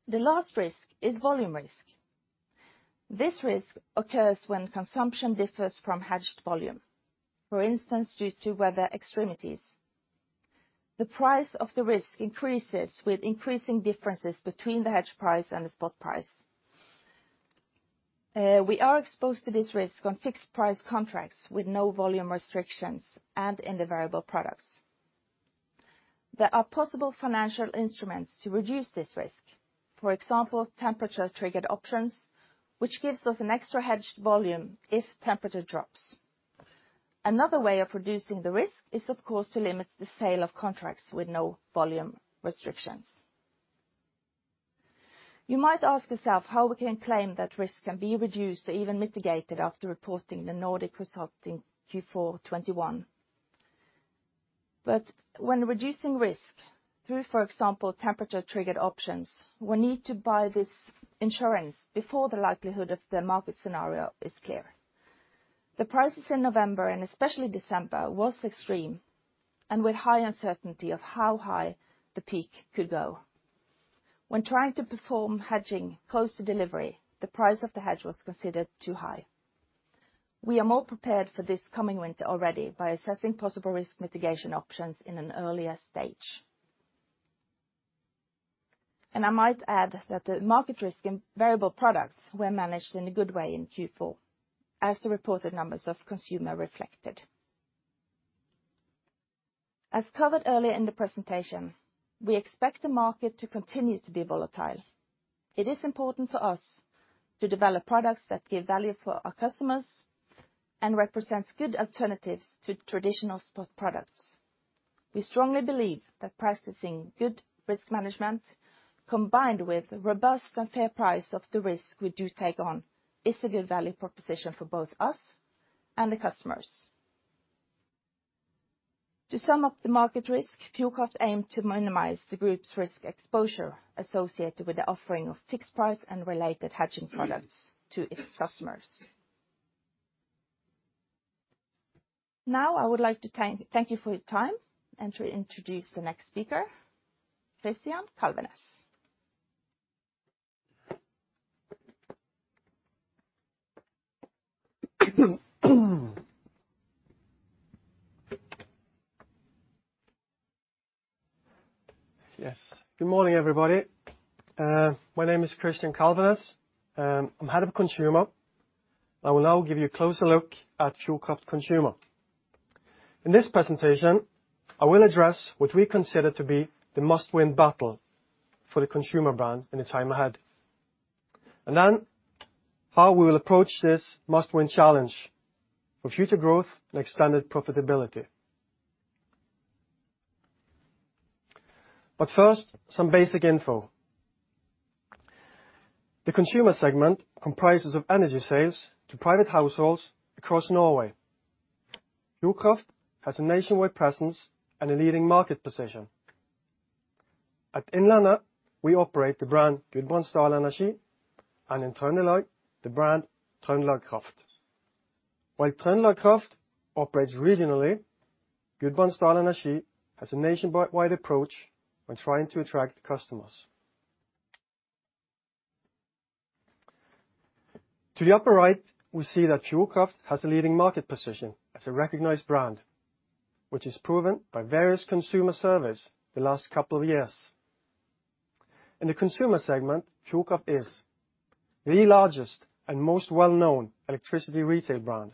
The last risk is volume risk. This risk occurs when consumption differs from hedged volume, for instance, due to weather extremities. The price of the risk increases with increasing differences between the hedged price and the spot price. We are exposed to this risk on fixed price contracts with no volume restrictions and in the variable products. There are possible financial instruments to reduce this risk. For example, temperature-triggered options, which gives us an extra hedged volume if temperature drops. Another way of reducing the risk is, of course, to limit the sale of contracts with no volume restrictions. You might ask yourself how we can claim that risk can be reduced or even mitigated after reporting the Nordic resulting Q4 2021. When reducing risk through, for example, temperature-triggered options, we need to buy this insurance before the likelihood of the market scenario is clear. The prices in November, and especially December, was extreme, and with high uncertainty of how high the peak could go. When trying to perform hedging close to delivery, the price of the hedge was considered too high. We are more prepared for this coming winter already by assessing possible risk mitigation options in an earlier stage. I might add that the market risk in variable products was managed in a good way in Q4, as the reported numbers of consumer reflected. As covered earlier in the presentation, we expect the market to continue to be volatile. It is important for us to develop products that give value for our customers and represents good alternatives to traditional spot products. We strongly believe that practicing good risk management combined with robust and fair price of the risk we do take on is a good value proposition for both us and the customers. To sum up the market risk, Fjordkraft aims to minimize the group's risk exposure associated with the offering of fixed price and related hedging products to its customers. Now, I would like to thank you for your time and to introduce the next speaker, Christian Kalvenes. Yes. Good morning, everybody. My name is Christian Kalvenes. I'm Head of Consumer. I will now give you a closer look at Fjordkraft Consumer. In this presentation, I will address what we consider to be the must-win battle for the consumer brand in the time ahead. Then how we will approach this must-win challenge for future growth and extended profitability. First, some basic info. The consumer segment comprises of energy sales to private households across Norway. Fjordkraft has a nationwide presence and a leading market position. In Innlandet, we operate the brand Gudbrandsdal Energi, and in Trøndelag, the brand TrøndelagKraft. While TrøndelagKraft operates regionally, Gudbrandsdal Energi has a nationwide approach when trying to attract customers. To the upper right, we see that Fjordkraft has a leading market position as a recognized brand, which is proven by various consumer surveys the last couple of years. In the consumer segment, Fjordkraft is the largest and most well-known electricity retail brand.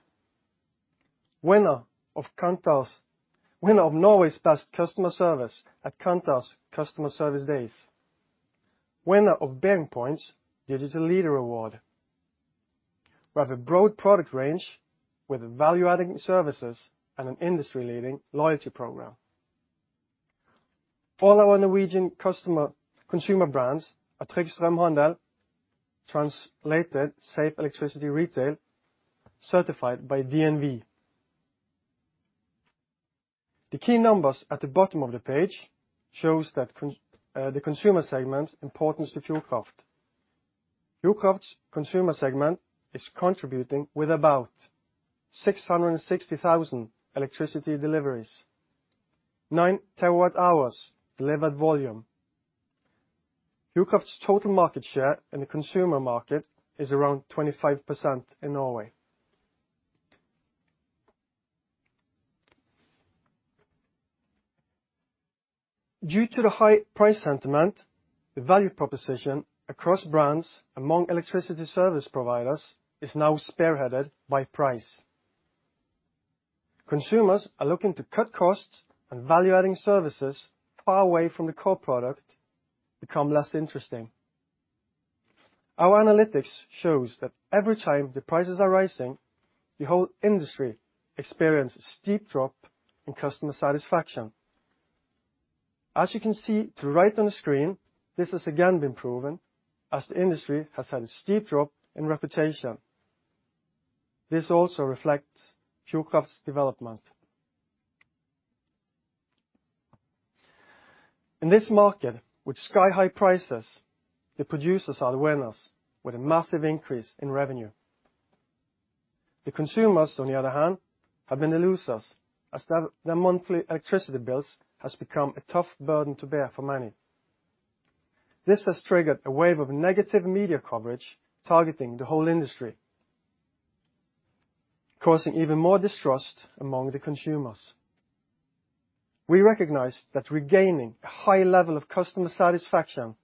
Winner of Kantar's winner of Norway's best customer service at Kantar's Customer Service Days. Winner of BearingPoint's Digital Leader Award. We have a broad product range with value-adding services and an industry-leading loyalty program. All our Norwegian consumer brands are Trygg Strømhandel, translated Safe Electricity Retail, certified by DNV. The key numbers at the bottom of the page show that the consumer segment's importance to Fjordkraft. Fjordkraft's consumer segment is contributing with about 660,000 electricity deliveries, 9 TWh delivered volume. Fjordkraft's total market share in the consumer market is around 25% in Norway. Due to the high price sentiment, the value proposition across brands among electricity service providers is now spearheaded by price. Consumers are looking to cut costs, and value-adding services far away from the core product become less interesting. Our analytics shows that every time the prices are rising, the whole industry experience steep drop in customer satisfaction. As you can see to the right on the screen, this has again been proven as the industry has had a steep drop in reputation. This also reflects Fjordkraft's development. In this market, with sky-high prices, the producers are the winners with a massive increase in revenue. The consumers, on the other hand, have been the losers, as the monthly electricity bills has become a tough burden to bear for many. This has triggered a wave of negative media coverage targeting the whole industry, causing even more distrust among the consumers. We recognize that regaining a high level of customer satisfaction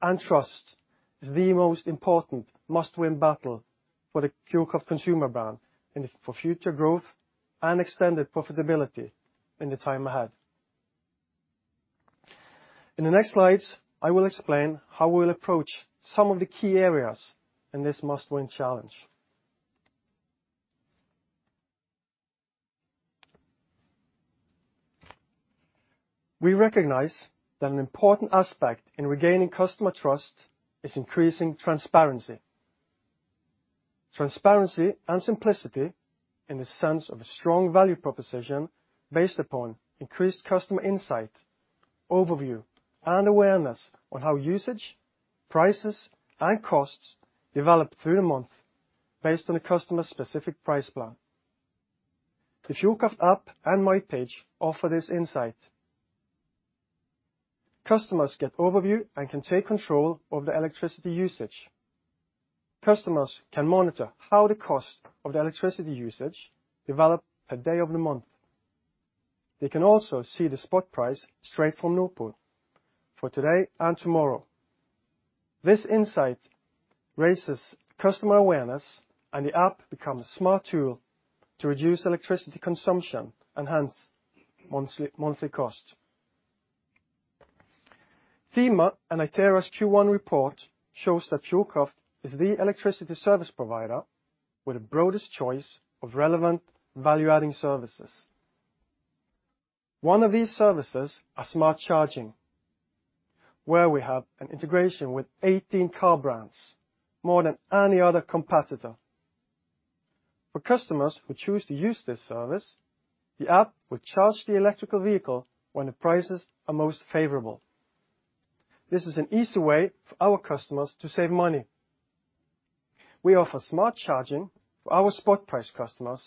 and trust is the most important must-win battle for the Fjordkraft consumer brand for future growth and extended profitability in the time ahead. In the next slides, I will explain how we'll approach some of the key areas in this must-win challenge. We recognize that an important aspect in regaining customer trust is increasing transparency. Transparency and simplicity in the sense of a strong value proposition based upon increased customer insight. Overview and awareness on how usage, prices, and costs develop through the month based on a customer's specific price plan. The Fjordkraft app and My Page offer this insight. Customers get overview and can take control of their electricity usage. Customers can monitor how the cost of their electricity usage develop day by day through the month. They can also see the spot price straight from Nord Pool for today and tomorrow. This insight raises customer awareness, and the app becomes a smart tool to reduce electricity consumption and hence monthly cost. THEMA and Itera's Q1 report shows that Fjordkraft is the electricity service provider with the broadest choice of relevant value-adding services. One of these services are smart charging, where we have an integration with 18 car brands, more than any other competitor. For customers who choose to use this service, the app will charge the electric vehicle when the prices are most favorable. This is an easy way for our customers to save money. We offer smart charging for our spot-price customers,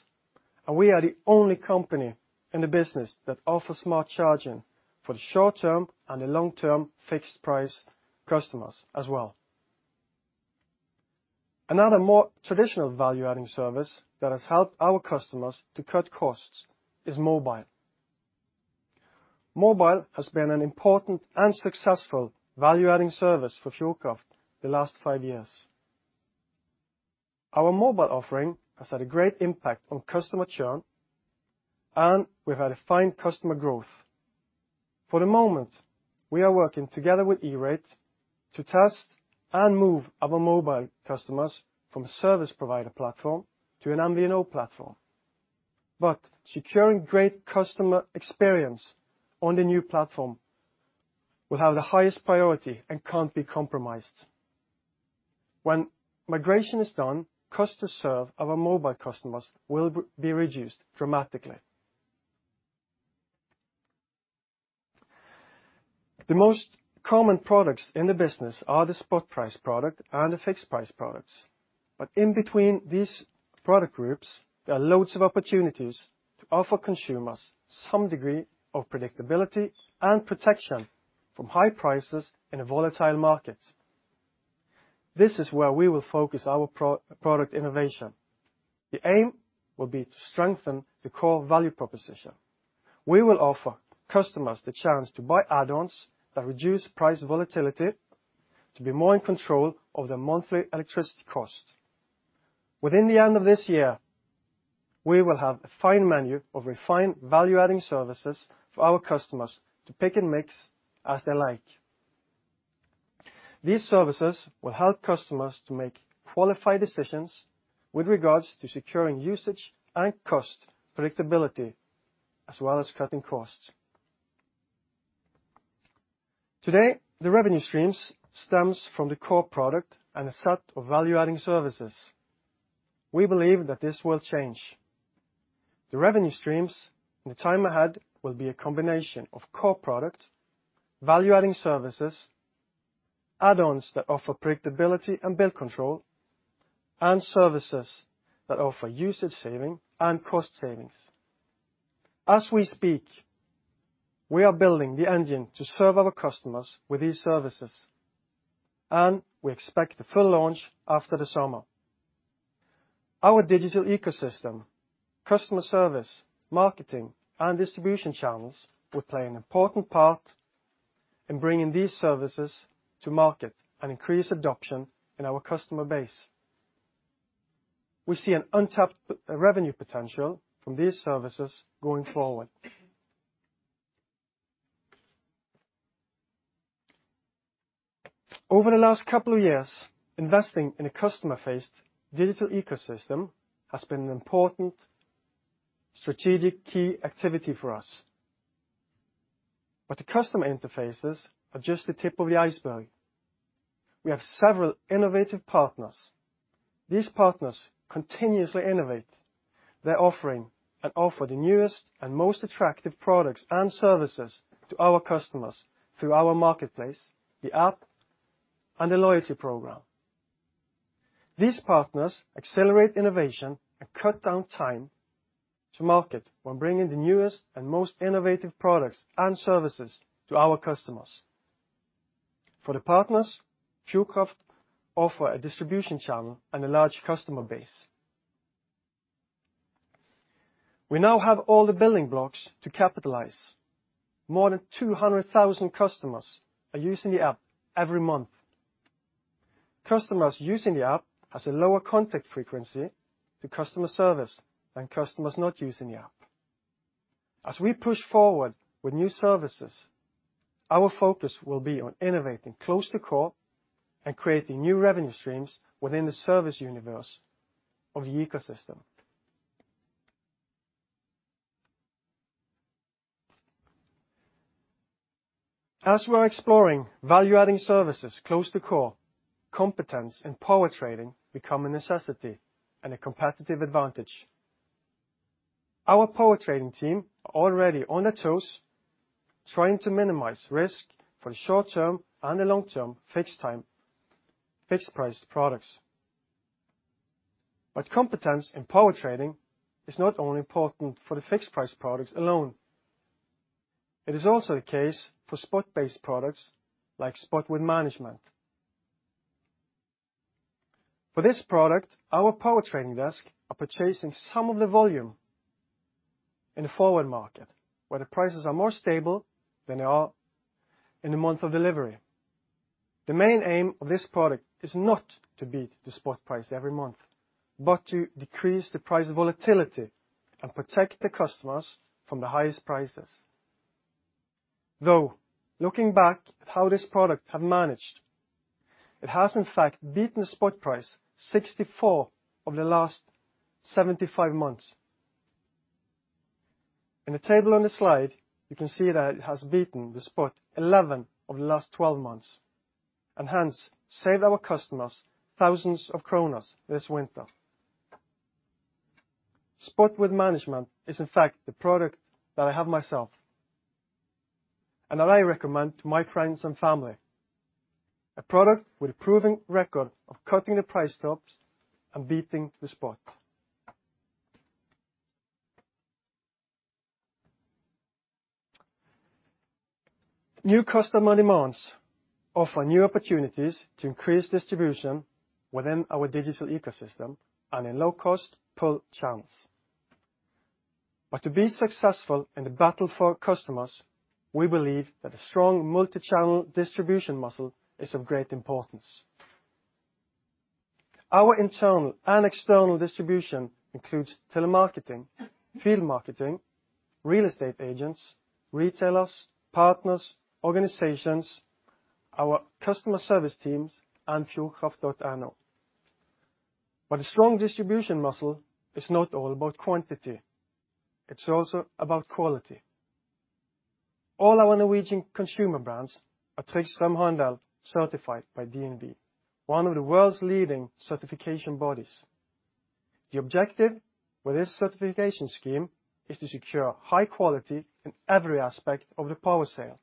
and we are the only company in the business that offer smart charging for the short-term and the long-term fixed-price customers as well. Another more traditional value-adding service that has helped our customers to cut costs is mobile. Mobile has been an important and successful value-adding service for Fjordkraft the last five years. Our mobile offering has had a great impact on customer churn, and we've had a fine customer growth. For the moment, we are working together with Allrate to test and move our mobile customers from a service provider platform to an MVNO platform. Securing great customer experience on the new platform will have the highest priority and can't be compromised. When migration is done, cost to serve our mobile customers will be reduced dramatically. The most common products in the business are the spot-price product and the fixed-price products. In between these product groups, there are loads of opportunities to offer consumers some degree of predictability and protection from high prices in a volatile market. This is where we will focus our product innovation. The aim will be to strengthen the core value proposition. We will offer customers the chance to buy add-ons that reduce price volatility to be more in control of their monthly electricity cost. By the end of this year, we will have a fine menu of refined value-adding services for our customers to pick and mix as they like. These services will help customers to make qualified decisions with regards to securing usage and cost predictability, as well as cutting costs. Today, the revenue streams stems from the core product and a set of value-adding services. We believe that this will change. The revenue streams in the time ahead will be a combination of core product, value-adding services, add-ons that offer predictability and bill control, and services that offer usage saving and cost savings. As we speak, we are building the engine to serve our customers with these services, and we expect the full launch after the summer. Our digital ecosystem, customer service, marketing, and distribution channels will play an important part in bringing these services to market and increase adoption in our customer base. We see an untapped revenue potential from these services going forward. Over the last couple of years, investing in a customer-faced digital ecosystem has been an important strategic key activity for us. The customer interfaces are just the tip of the iceberg. We have several innovative partners. These partners continuously innovate their offering and offer the newest and most attractive products and services to our customers through our marketplace, the app, and the loyalty program. These partners accelerate innovation and cut down time to market when bringing the newest and most innovative products and services to our customers. For the partners, Fjordkraft offer a distribution channel and a large customer base. We now have all the building blocks to capitalize. More than 200,000 customers are using the app every month. Customers using the app has a lower contact frequency to customer service than customers not using the app. As we push forward with new services, our focus will be on innovating close to core and creating new revenue streams within the service universe of the ecosystem. As we're exploring value-adding services close to core, competence in power trading become a necessity and a competitive advantage. Our power trading team are already on their toes trying to minimize risk for the short term and the long-term fixed time, fixed price products. Competence in power trading is not only important for the fixed price products alone. It is also the case for spot-based products like spot with risk management. For this product, our power trading desk are purchasing some of the volume in the forward market where the prices are more stable than they are in the month of delivery. The main aim of this product is not to beat the spot price every month, but to decrease the price volatility and protect the customers from the highest prices. Though looking back at how this product have managed, it has in fact beaten the spot price 64 of the last 75 months. In the table on this slide, you can see that it has beaten the spot 11 of the last 12 months and hence saved our customers thousands of NOK this winter. Spot with risk management is in fact the product that I have myself and that I recommend to my friends and family, a product with a proven record of cutting the price drops and beating the spot. New customer demands offer new opportunities to increase distribution within our digital ecosystem and in low cost per acquisition. To be successful in the battle for customers, we believe that a strong multi-channel distribution muscle is of great importance. Our internal and external distribution includes telemarketing, field marketing, real estate agents, retailers, partners, organizations, our customer service teams, and fjordkraft.no. A strong distribution muscle is not all about quantity, it's also about quality. All our Norwegian consumer brands are Trygg Strømhandel certified by DNV, one of the world's leading certification bodies. The objective for this certification scheme is to secure high quality in every aspect of the power sale.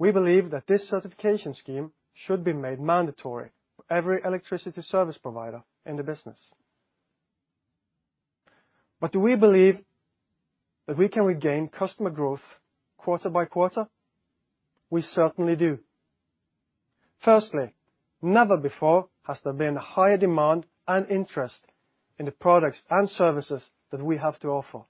We believe that this certification scheme should be made mandatory for every electricity service provider in the business. Do we believe that we can regain customer growth quarter by quarter? We certainly do. Firstly, never before has there been a higher demand and interest in the products and services that we have to offer.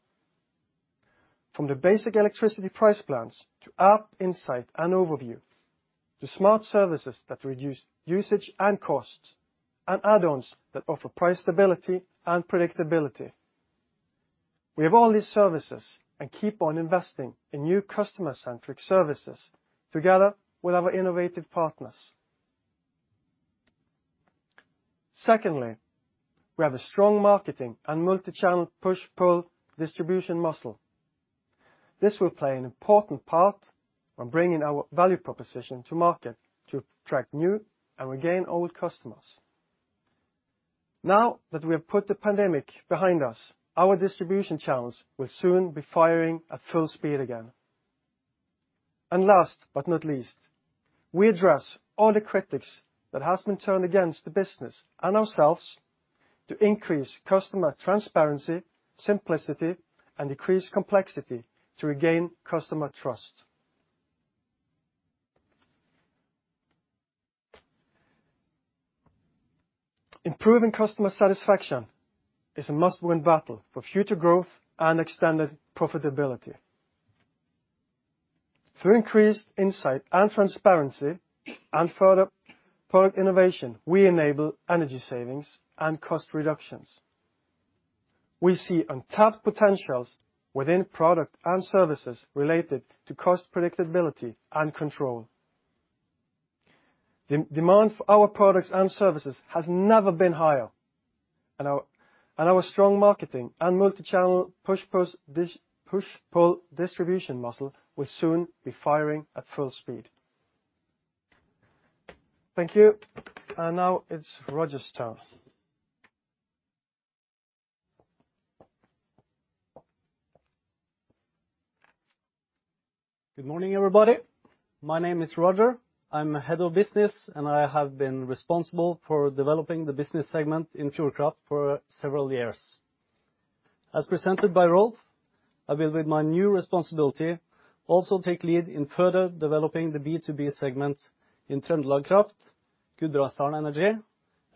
From the basic electricity price plans to app insight and overview, to smart services that reduce usage and costs, and add-ons that offer price stability and predictability. We have all these services and keep on investing in new customer-centric services together with our innovative partners. Secondly, we have a strong marketing and multi-channel push-pull distribution muscle. This will play an important part when bringing our value proposition to market to attract new and regain old customers. Now that we have put the pandemic behind us, our distribution channels will soon be firing at full speed again. Last but not least, we address all the critics that has been turned against the business and ourselves to increase customer transparency, simplicity, and decrease complexity to regain customer trust. Improving customer satisfaction is a must-win battle for future growth and extended profitability. Through increased insight and transparency and further product innovation, we enable energy savings and cost reductions. We see untapped potentials within product and services related to cost predictability and control. The demand for our products and services has never been higher, and our strong marketing and multi-channel push-pull distribution muscle will soon be firing at full speed. Thank you. Now it's Roger's turn. Good morning, everybody. My name is Roger. I'm Head of Business, and I have been responsible for developing the business segment in Fjordkraft for several years. As presented by Rolf, I will with my new responsibility also take lead in further developing the B2B segment in TrøndelagKraft, Gudbrandsdal Energi,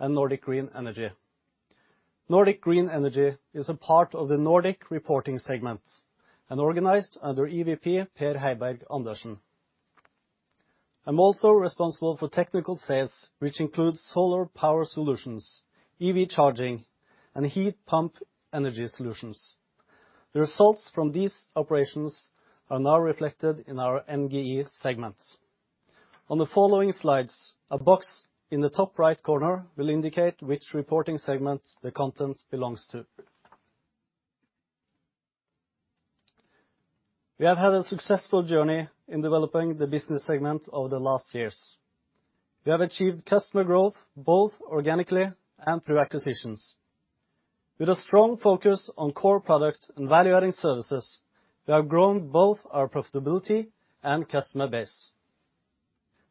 and Nordic Green Energy. Nordic Green Energy is a part of the Nordic reporting segment and organized under EVP Per Heiberg-Andersen. I'm also responsible for technical sales, which includes solar power solutions, EV charging, and heat pump energy solutions. The results from these operations are now reflected in our NGE segments. On the following slides, a box in the top right corner will indicate which reporting segment the content belongs to. We have had a successful journey in developing the business segment over the last years. We have achieved customer growth both organically and through acquisitions. With a strong focus on core products and value-adding services, we have grown both our profitability and customer base.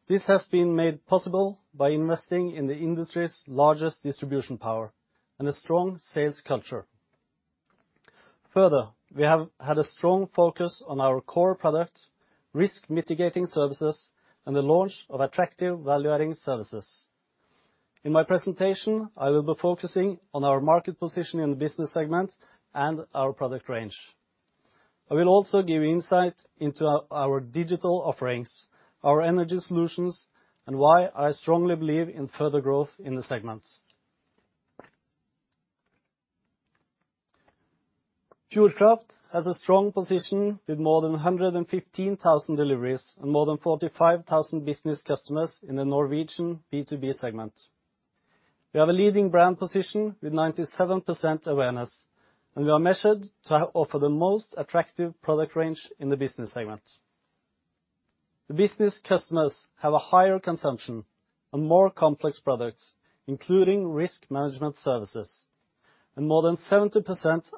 This has been made possible by investing in the industry's largest sales force and a strong sales culture. Further, we have had a strong focus on our core product, risk management services, and the launch of attractive value-adding services. In my presentation, I will be focusing on our market position in the business segment and our product range. I will also give insight into our digital offerings, our energy solutions, and why I strongly believe in further growth in the segment. Fjordkraft has a strong position with more than 115,000 deliveries and more than 45,000 business customers in the Norwegian B2B segment. We have a leading brand position with 97% awareness, and we are measured to offer the most attractive product range in the business segment. The business customers have a higher consumption on more complex products, including risk management services, and more than 70%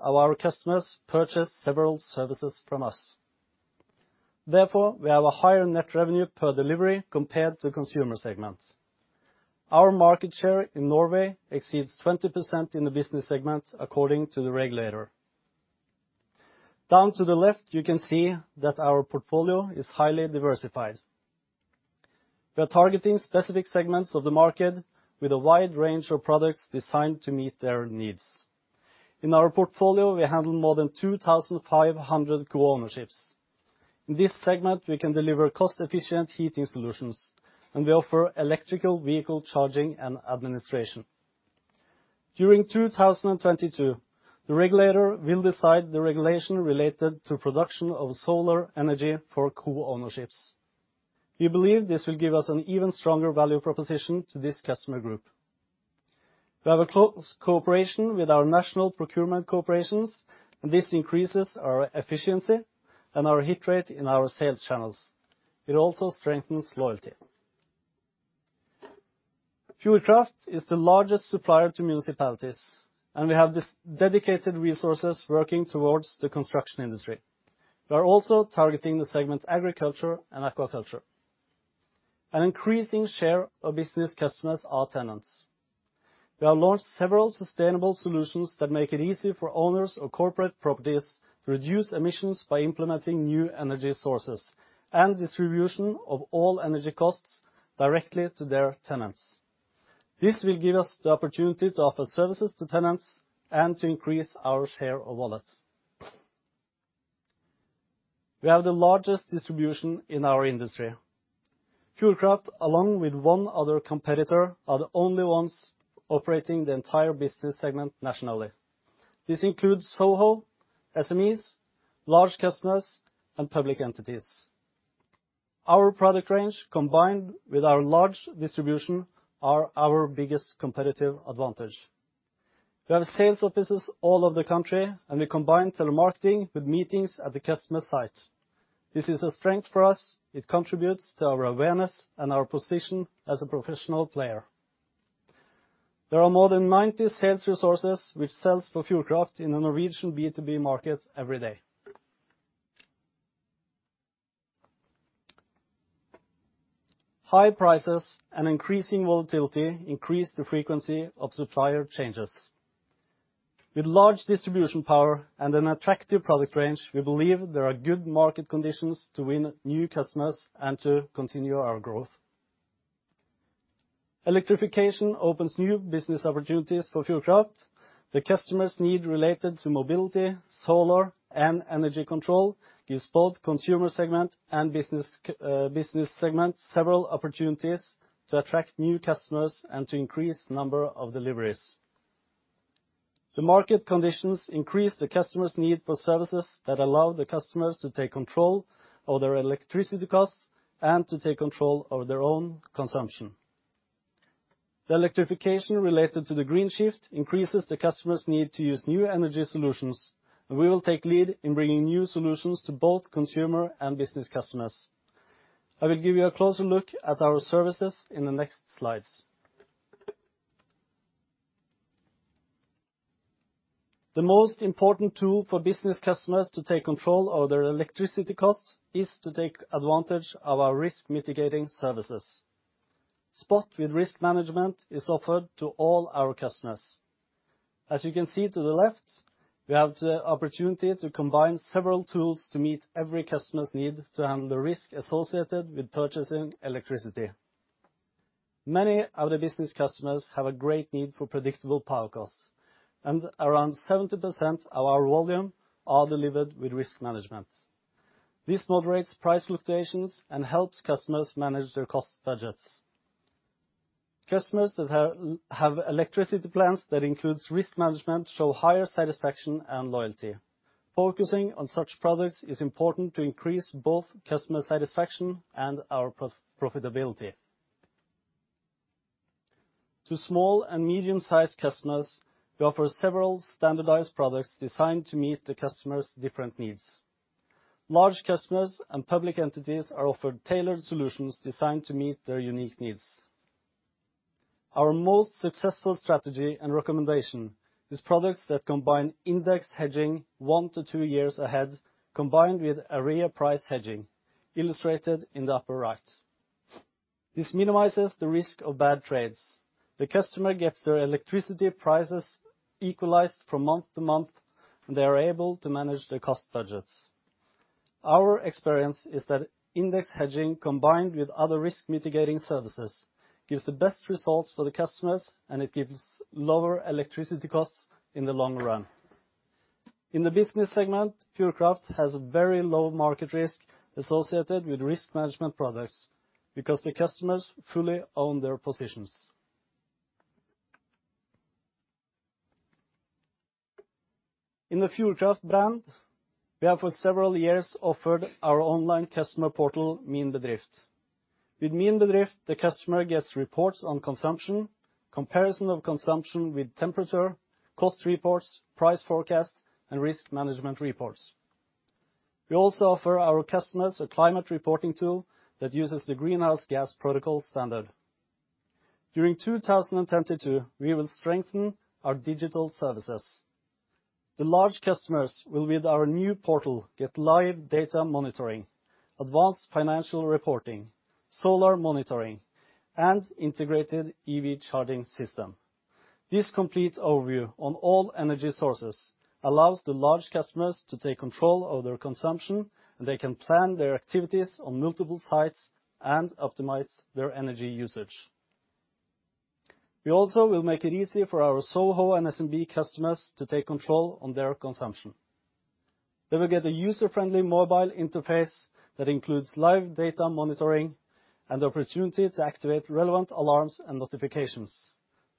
of our customers purchase several services from us. Therefore, we have a higher net revenue per delivery compared to consumer segments. Our market share in Norway exceeds 20% in the business segment, according to the regulator. Down to the left, you can see that our portfolio is highly diversified. We are targeting specific segments of the market with a wide range of products designed to meet their needs. In our portfolio, we handle more than 2,500 co-ownerships. In this segment, we can deliver cost-efficient heating solutions, and we offer electric vehicle charging and administration. During 2022, the regulator will decide the regulation related to production of solar energy for co-ownerships. We believe this will give us an even stronger value proposition to this customer group. We have a close cooperation with our national procurement corporations, and this increases our efficiency and our hit rate in our sales channels. It also strengthens loyalty. Fjordkraft is the largest supplier to municipalities, and we have dedicated resources working towards the construction industry. We are also targeting the segment agriculture and aquaculture. An increasing share of business customers are tenants. We have launched several sustainable solutions that make it easy for owners of corporate properties to reduce emissions by implementing new energy sources and distribution of all energy costs directly to their tenants. This will give us the opportunity to offer services to tenants and to increase our share of wallet. We have the largest distribution in our industry. Fjordkraft, along with one other competitor, are the only ones operating the entire business segment nationally. This includes SOHO, SMEs, large customers, and public entities. Our product range, combined with our large distribution, are our biggest competitive advantage. We have sales offices all over the country, and we combine telemarketing with meetings at the customer site. This is a strength for us. It contributes to our awareness and our position as a professional player. There are more than 90 sales resources which sells for Fjordkraft in the Norwegian B2B market every day. High prices and increasing volatility increase the frequency of supplier changes. With large distribution power and an attractive product range, we believe there are good market conditions to win new customers and to continue our growth. Electrification opens new business opportunities for Fjordkraft. The customers' need related to mobility, solar, and energy control gives both consumer segment and business segment several opportunities to attract new customers and to increase number of deliveries. The market conditions increase the customer's need for services that allow the customers to take control of their electricity costs and to take control of their own consumption. The electrification related to the green shift increases the customer's need to use new energy solutions, and we will take lead in bringing new solutions to both consumer and business customers. I will give you a closer look at our services in the next slides. The most important tool for business customers to take control of their electricity costs is to take advantage of our risk mitigating services. Spot with risk management is offered to all our customers. As you can see to the left, we have the opportunity to combine several tools to meet every customer's need to handle risk associated with purchasing electricity. Many of the business customers have a great need for predictable power costs, and around 70% of our volume are delivered with risk management. This moderates price fluctuations and helps customers manage their cost budgets. Customers that have electricity plans that includes risk management show higher satisfaction and loyalty. Focusing on such products is important to increase both customer satisfaction and our profitability. To small and medium-sized customers, we offer several standardized products designed to meet the customer's different needs. Large customers and public entities are offered tailored solutions designed to meet their unique needs. Our most successful strategy and recommendation is products that combine index hedging one-two years ahead, combined with area price hedging, illustrated in the upper right. This minimizes the risk of bad trades. The customer gets their electricity prices equalized from month to month, and they are able to manage their cost budgets. Our experience is that index hedging combined with other risk mitigating services gives the best results for the customers, and it gives lower electricity costs in the long run. In the business segment, Fjordkraft has a very low market risk associated with risk management products because the customers fully own their positions. In the Fjordkraft brand, we have for several years offered our online customer portal, Min Bedrift. With Min Bedrift, the customer gets reports on consumption, comparison of consumption with temperature, cost reports, price forecasts, and risk management reports. We also offer our customers a climate reporting tool that uses the Greenhouse Gas Protocol standard. During 2022, we will strengthen our digital services. The large customers will, with our new portal, get live data monitoring, advanced financial reporting, solar monitoring, and integrated EV charging system. This complete overview on all energy sources allows the large customers to take control of their consumption, and they can plan their activities on multiple sites and optimize their energy usage. We also will make it easier for our SOHO and SMB customers to take control on their consumption. They will get a user-friendly mobile interface that includes live data monitoring and the opportunity to activate relevant alarms and notifications.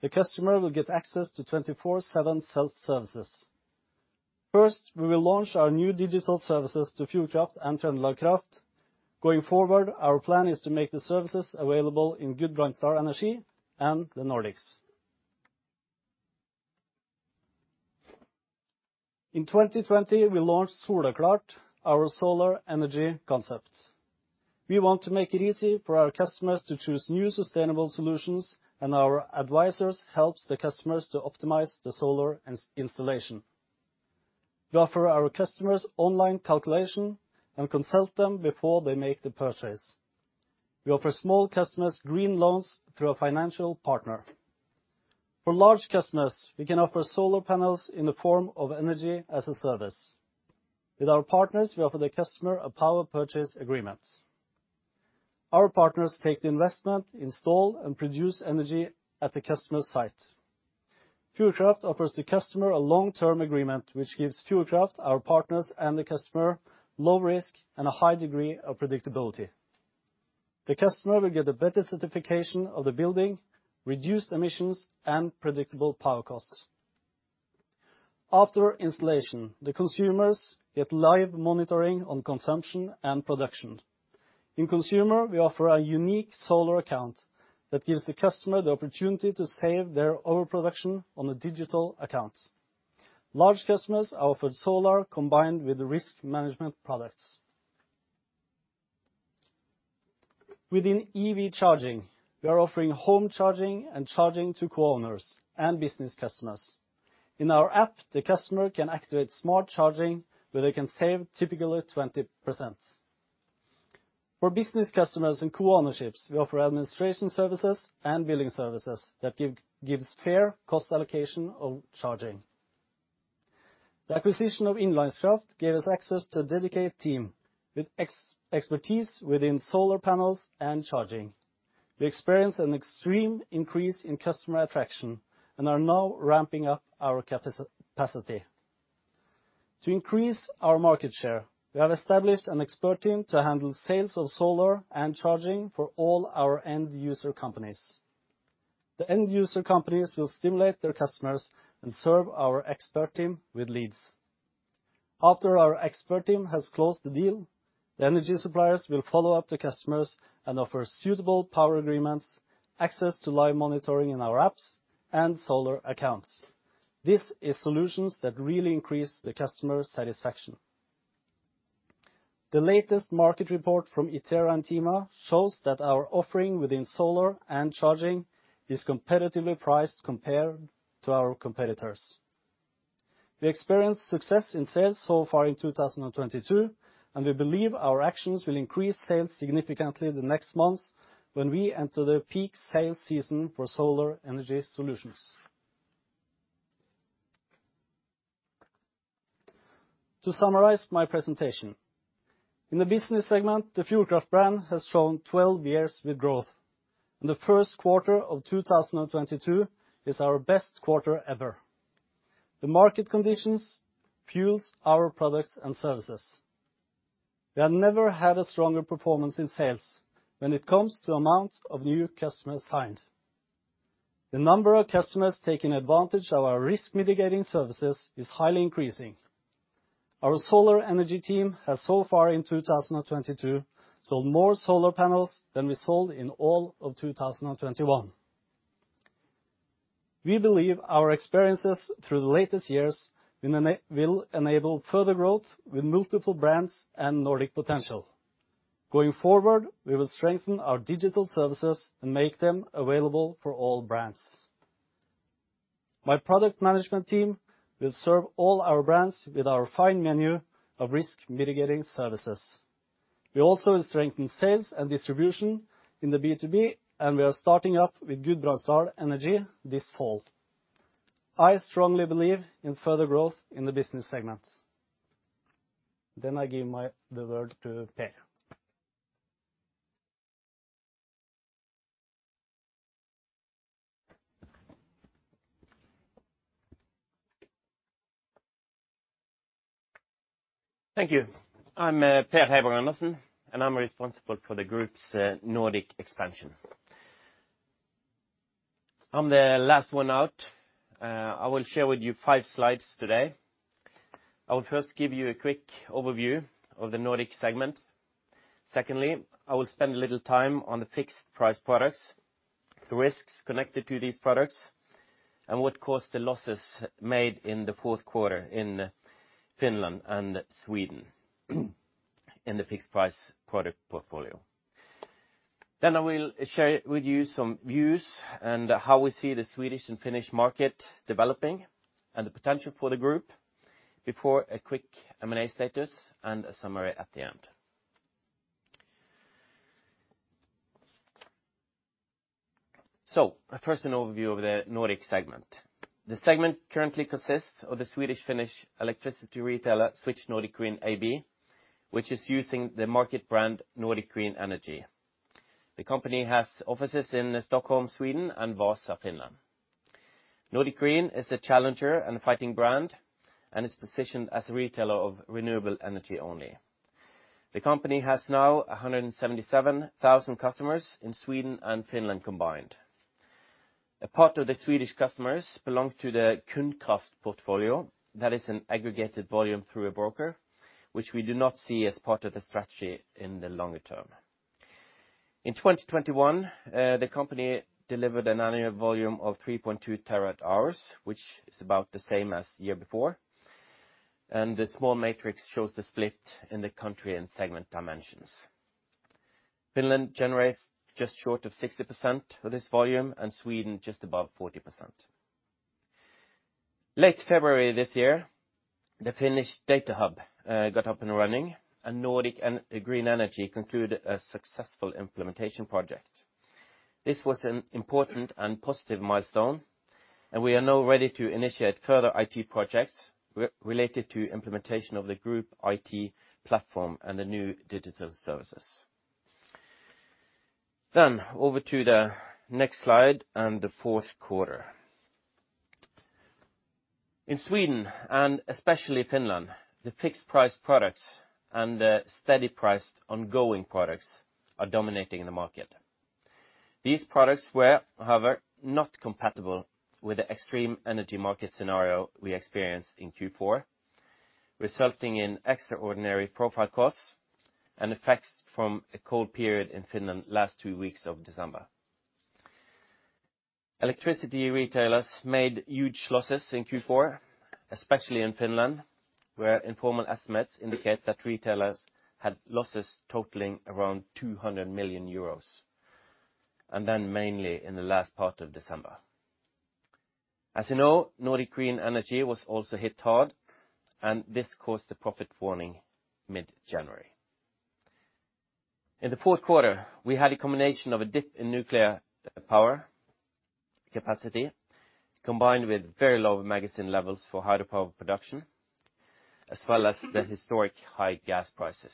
The customer will get access to 24/7 self-services. First, we will launch our new digital services to Fjordkraft and TrøndelagKraft. Going forward, our plan is to make the services available in Gudbrandsdal Energi and the Nordics. In 2020, we launched Soleklart, our solar energy concept. We want to make it easy for our customers to choose new sustainable solutions, and our advisors help the customers to optimize the solar installation. We offer our customers online calculation and consult them before they make the purchase. We offer small customers green loans through a financial partner. For large customers, we can offer solar panels in the form of energy as a service. With our partners, we offer the customer a power purchase agreement. Our partners take the investment, install, and produce energy at the customer site. Fjordkraft offers the customer a long-term agreement, which gives Fjordkraft, our partners, and the customer low risk and a high degree of predictability. The customer will get a better certification of the building, reduced emissions, and predictable power costs. After installation, the consumers get live monitoring on consumption and production. In consumer, we offer a unique solar account that gives the customer the opportunity to save their overproduction on a digital account. Large customers are offered solar combined with the risk management products. Within EV charging, we are offering home charging and charging to co-owners and business customers. In our app, the customer can activate smart charging, where they can save typically 20%. For business customers and co-ownerships, we offer administration services and billing services that gives fair cost allocation of charging. The acquisition of Innlandskraft gave us access to a dedicated team with expertise within solar panels and charging. We experienced an extreme increase in customer attraction and are now ramping up our capacity. To increase our market share, we have established an expert team to handle sales of solar and charging for all our end user companies. The end user companies will stimulate their customers and serve our expert team with leads. After our expert team has closed the deal, the energy suppliers will follow up the customers and offer suitable power agreements, access to live monitoring in our apps, and solar accounts. These are solutions that really increase the customer satisfaction. The latest market report from Itera and Thema shows that our offering within solar and charging is competitively priced compared to our competitors. We experienced success in sales so far in 2022, and we believe our actions will increase sales significantly the next months when we enter the peak sales season for solar energy solutions. To summarize my presentation, in the business segment, the Fjordkraft brand has shown 12 years with growth. The first quarter of 2022 is our best quarter ever. The market conditions fuel our products and services. We have never had a stronger performance in sales when it comes to amount of new customers signed. The number of customers taking advantage of our risk mitigating services is highly increasing. Our solar energy team has so far in 2022 sold more solar panels than we sold in all of 2021. We believe our experiences through the latest years will enable further growth with multiple brands and Nordic potential. Going forward, we will strengthen our digital services and make them available for all brands. My product management team will serve all our brands with our fine menu of risk mitigating services. We also strengthen sales and distribution in the B2B, and we are starting up with Gudbrandsdal Energi this fall. I strongly believe in further growth in the business segment. I give the word to Per. Thank you. I'm Per Heiberg-Andersen, and I'm responsible for the group's Nordic expansion. I'm the last one out. I will share with you five slides today. I will first give you a quick overview of the Nordic segment. Secondly, I will spend a little time on the fixed price products, the risks connected to these products, and what caused the losses made in the fourth quarter in Finland and Sweden in the fixed price product portfolio. Then I will share with you some views and how we see the Swedish and Finnish market developing and the potential for the group before a quick M&A status and a summary at the end. First, an overview of the Nordic segment. The segment currently consists of the Swedish-Finnish electricity retailer Switch Nordic Green AB, which is using the market brand Nordic Green Energy. The company has offices in Stockholm, Sweden and Vaasa, Finland. Nordic Green is a challenger and a fighting brand and is positioned as a retailer of renewable energy only. The company has now 177,000 customers in Sweden and Finland combined. A part of the Swedish customers belong to the Kundkraft portfolio. That is an aggregated volume through a broker, which we do not see as part of the strategy in the longer term. In 2021, the company delivered an annual volume of 3.2 TWh, which is about the same as year before. The small matrix shows the split in the country and segment dimensions. Finland generates just short of 60% of this volume, and Sweden just above 40%. Late February this year, the Finnish Datahub got up and running, and Nordic Green Energy concluded a successful implementation project. This was an important and positive milestone, and we are now ready to initiate further IT projects related to implementation of the group IT platform and the new digital services. Over to the next slide and the fourth quarter. In Sweden and especially Finland, the fixed price products and the steady priced ongoing products are dominating the market. These products were however not compatible with the extreme energy market scenario we experienced in Q4, resulting in extraordinary profile costs and effects from a cold period in Finland last two weeks of December. Electricity retailers made huge losses in Q4, especially in Finland, where informal estimates indicate that retailers had losses totaling around 200 million euros, and then mainly in the last part of December. As you know, Nordic Green Energy was also hit hard and this caused the profit warning mid-January. In the fourth quarter, we had a combination of a dip in nuclear power capacity, combined with very low magazine levels for hydropower production, as well as the historic high gas prices.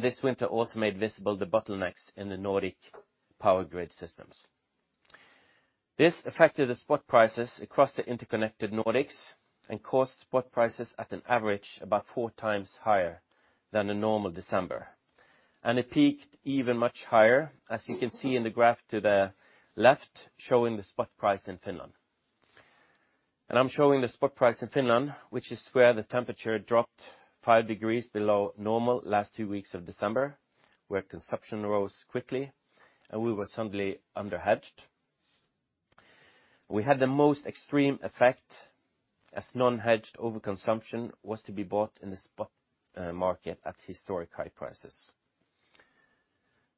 This winter also made visible the bottlenecks in the Nordic power grid systems. This affected the spot prices across the interconnected Nordics and caused spot prices at an average about 4x higher than a normal December. It peaked even much higher, as you can see in the graph to the left showing the spot price in Finland. I'm showing the spot price in Finland, which is where the temperature dropped 5 degrees below normal last two weeks of December, where consumption rose quickly and we were suddenly under hedged. We had the most extreme effect as non-hedged overconsumption was to be bought in the spot market at historic high prices.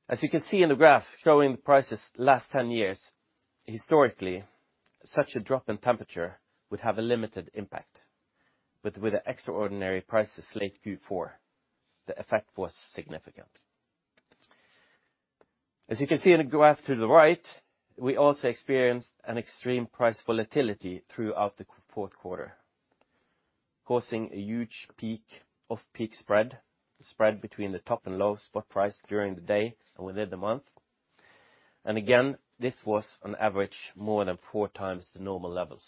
As you can see in the graph showing the prices last 10 years, historically such a drop in temperature would have a limited impact, but with the extraordinary prices late Q4, the effect was significant. As you can see in the graph to the right, we also experienced an extreme price volatility throughout the fourth quarter, causing a huge peak spread, the spread between the top and low spot price during the day and within the month. This was on average more than 4x the normal levels.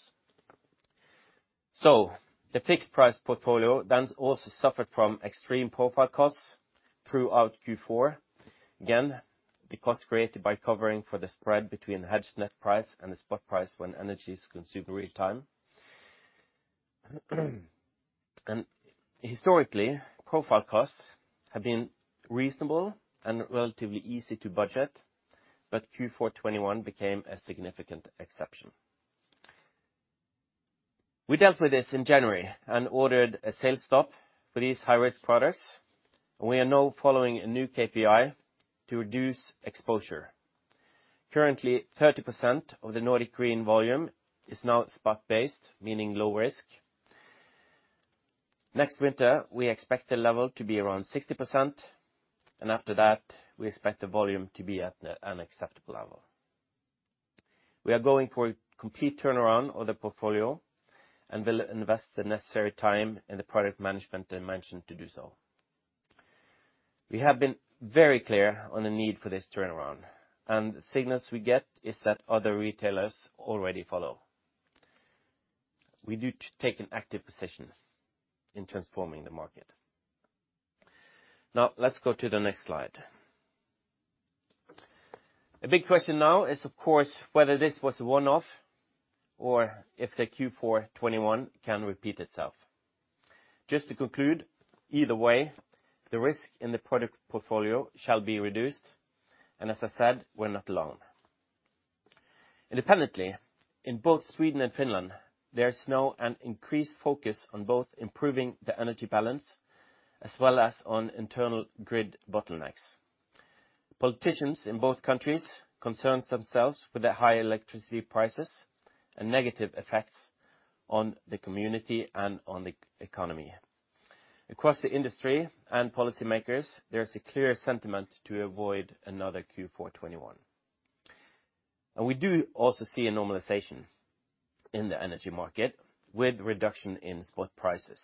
The fixed price portfolio then also suffered from extreme profile costs throughout Q4. Again, the cost created by covering for the spread between hedged net price and the spot price when energy is consumed real time. Historically, profile costs have been reasonable and relatively easy to budget, but Q4 2021 became a significant exception. We dealt with this in January and ordered a sales stop for these high-risk products, and we are now following a new KPI to reduce exposure. Currently, 30% of the Nordic green volume is now spot-based, meaning low risk. Next winter, we expect the level to be around 60%, and after that, we expect the volume to be at an acceptable level. We are going for a complete turnaround of the portfolio and will invest the necessary time in the product management dimension to do so. We have been very clear on the need for this turnaround, and the signals we get is that other retailers already follow. We do take an active position in transforming the market. Now let's go to the next slide. A big question now is, of course, whether this was a one-off or if the Q4 2021 can repeat itself. Just to conclude, either way, the risk in the product portfolio shall be reduced. As I said, we're not alone. Independently, in both Sweden and Finland, there is now an increased focus on both improving the energy balance as well as on internal grid bottlenecks. Politicians in both countries concerns themselves with the high electricity prices and negative effects on the community and on the economy. Across the industry and policymakers, there is a clear sentiment to avoid another Q4 2021. We do also see a normalization in the energy market with reduction in spot prices.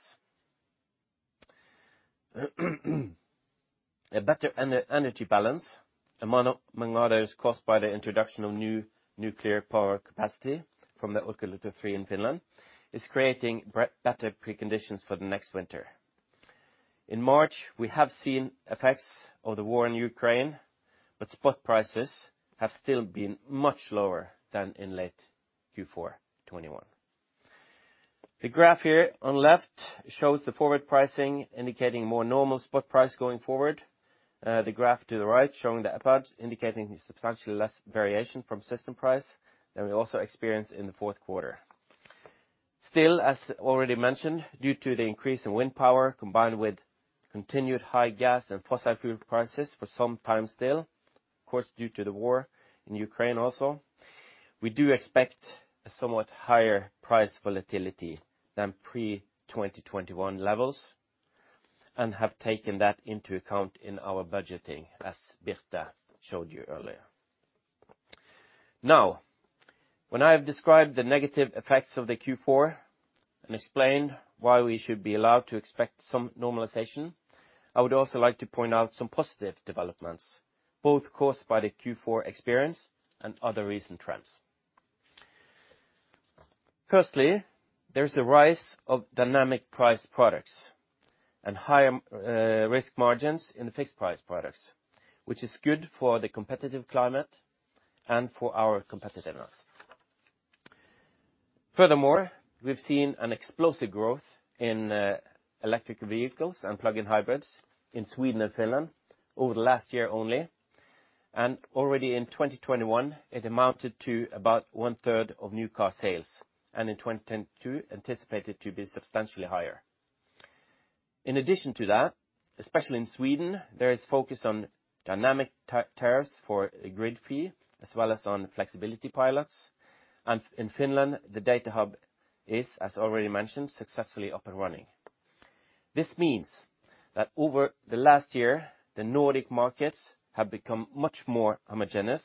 A better energy balance, among others, caused by the introduction of new nuclear power capacity from the Olkiluoto 3 in Finland, is creating better preconditions for the next winter. In March, we have seen effects of the war in Ukraine, but spot prices have still been much lower than in late Q4 2021. The graph here on left shows the forward pricing indicating more normal spot price going forward. The graph to the right showing the EPAD, indicating substantially less variation from system price than we also experience in the fourth quarter. Still, as already mentioned, due to the increase in wind power, combined with continued high gas and fossil fuel prices for some time still, of course, due to the war in Ukraine also, we do expect a somewhat higher price volatility than pre-2021 levels and have taken that into account in our budgeting, as Birte showed you earlier. Now, when I have described the negative effects of the Q4 and explained why we should be allowed to expect some normalization, I would also like to point out some positive developments, both caused by the Q4 experience and other recent trends. Firstly, there is a rise of dynamic price products and higher risk margins in the fixed price products, which is good for the competitive climate and for our competitiveness. Furthermore, we've seen an explosive growth in electric vehicles and plug-in hybrids in Sweden and Finland over the last year only. Already in 2021, it amounted to about 1/3 of new car sales, and in 2022 anticipated to be substantially higher. In addition to that, especially in Sweden, there is focus on dynamic tariffs for a grid fee as well as on flexibility pilots. In Finland, the Datahub is, as already mentioned, successfully up and running. This means that over the last year, the Nordic markets have become much more homogeneous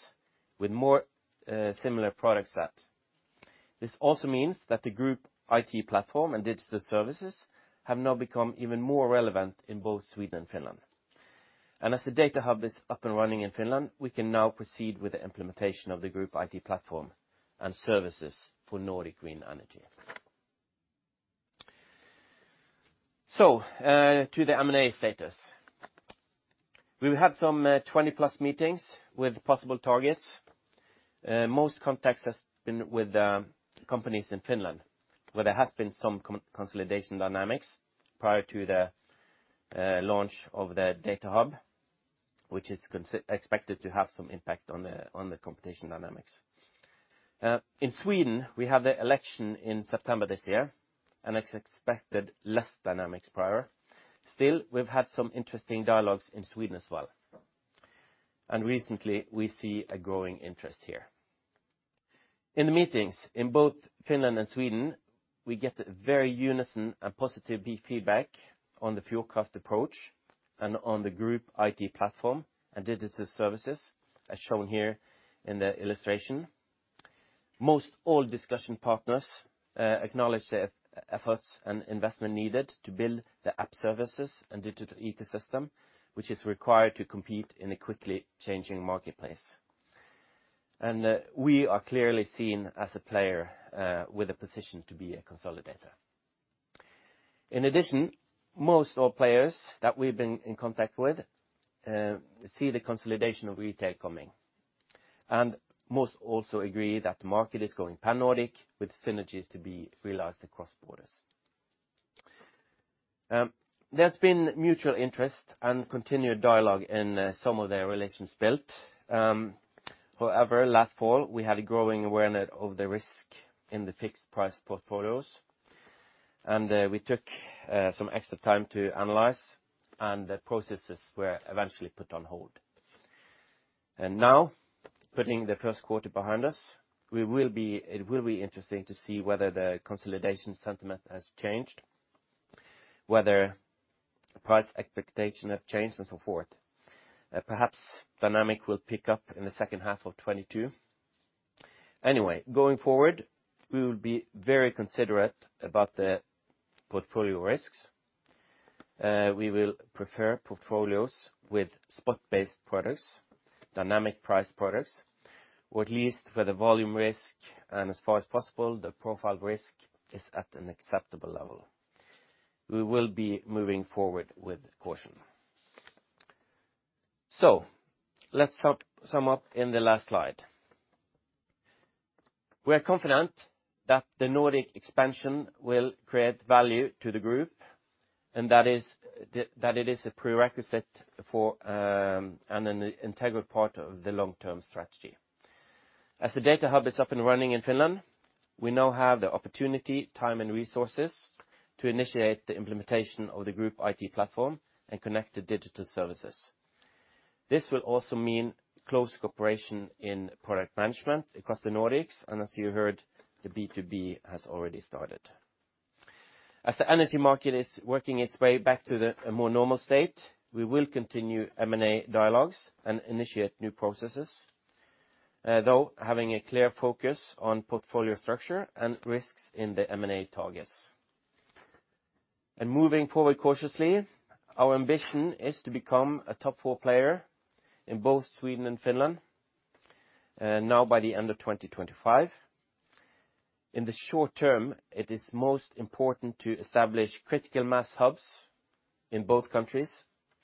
with more similar product set. This also means that the group IT platform and digital services have now become even more relevant in both Sweden and Finland. As the data hub is up and running in Finland, we can now proceed with the implementation of the group IT platform and services for Nordic Green Energy. To the M&A status. We've had some 20+ meetings with possible targets. Most contacts has been with companies in Finland, where there has been some consolidation dynamics prior to the launch of the data hub, which is expected to have some impact on the competition dynamics. In Sweden, we have the election in September this year, and it's expected less dynamics prior. Still, we've had some interesting dialogues in Sweden as well. Recently, we see a growing interest here. In the meetings in both Finland and Sweden, we get a very unison and positive feedback on the full cost approach and on the group IT platform and digital services, as shown here in the illustration. Most all discussion partners acknowledge the efforts and investment needed to build the app services and digital ecosystem, which is required to compete in a quickly changing marketplace. We are clearly seen as a player with a position to be a consolidator. In addition, most all players that we've been in contact with see the consolidation of retail coming. Most also agree that the market is going pan-Nordic with synergies to be realized across borders. There's been mutual interest and continued dialogue in some of their relations built. However, last fall we had a growing awareness of the risk in the fixed price portfolios, and we took some extra time to analyze, and the processes were eventually put on hold. Now putting the first quarter behind us, it will be interesting to see whether the consolidation sentiment has changed, whether price expectation have changed and so forth. Perhaps dynamic will pick up in the second half of 2022. Anyway, going forward, we will be very considerate about the portfolio risks. We will prefer portfolios with spot-based products, dynamic price products, or at least where the volume risk and as far as possible, the profile risk is at an acceptable level. We will be moving forward with caution. Let's sum up in the last slide. We are confident that the Nordic expansion will create value to the group, and that it is a prerequisite for, and an integral part of the long-term strategy. As the Datahub is up and running in Finland, we now have the opportunity, time, and resources to initiate the implementation of the group IT platform and connect to digital services. This will also mean close cooperation in product management across the Nordics, and as you heard, the B2B has already started. As the energy market is working its way back to a more normal state, we will continue M&A dialogues and initiate new processes, though having a clear focus on portfolio structure and risks in the M&A targets. Moving forward cautiously, our ambition is to become a top four player in both Sweden and Finland, now by the end of 2025. In the short term, it is most important to establish critical mass hubs in both countries,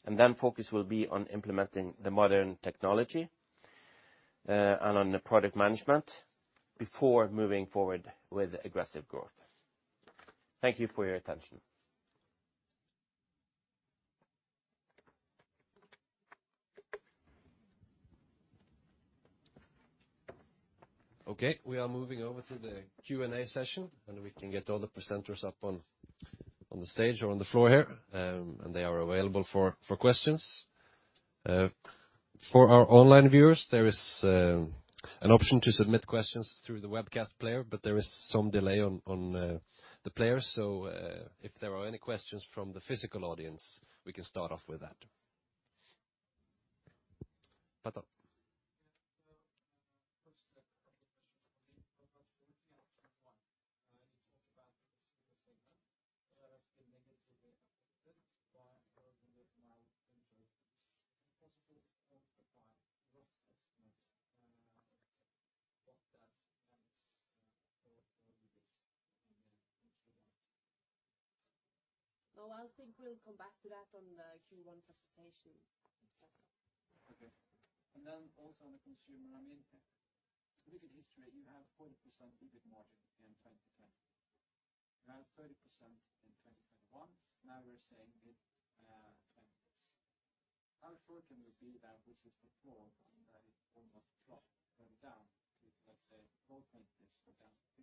and then focus will be on implementing the modern technology, and on the product management before moving forward with aggressive growth. Thank you for your attention. Okay, we are moving over to the Q&A session, and we can get all the presenters up on the stage or on the floor here, and they are available for questions. For our online viewers, there is an option to submit questions through the webcast player, but there is some delay on the player. If there are any questions from the physical audience, we can start off with that. Patrick. Yeah. First, a couple questions for me. About the activity in Q1. You talked about the consumer segment that has been negatively affected by a rather mild winter. Is it possible to provide rough estimates, what that means for EBIT in Q1? No, I think we'll come back to that on the Q1 presentation. Okay. Also on the consumer, I mean, looking at history, you have 40% EBIT margin in 2010. You have 30% in 2021. Now we're saying mid-20%. How certain would be that this is the floor, that it almost dropped going down to, let's say, low 20% or down to 15%?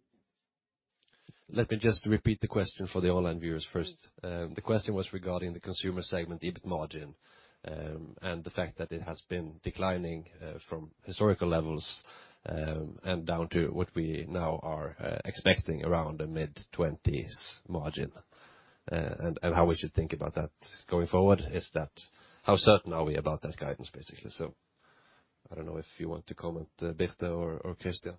Let me just repeat the question for the online viewers first. The question was regarding the consumer segment EBIT margin, and the fact that it has been declining from historical levels, and down to what we now are expecting around a mid-20% margin, and how we should think about that going forward. How certain are we about that guidance, basically? I don't know if you want to comment, Birte or Christian.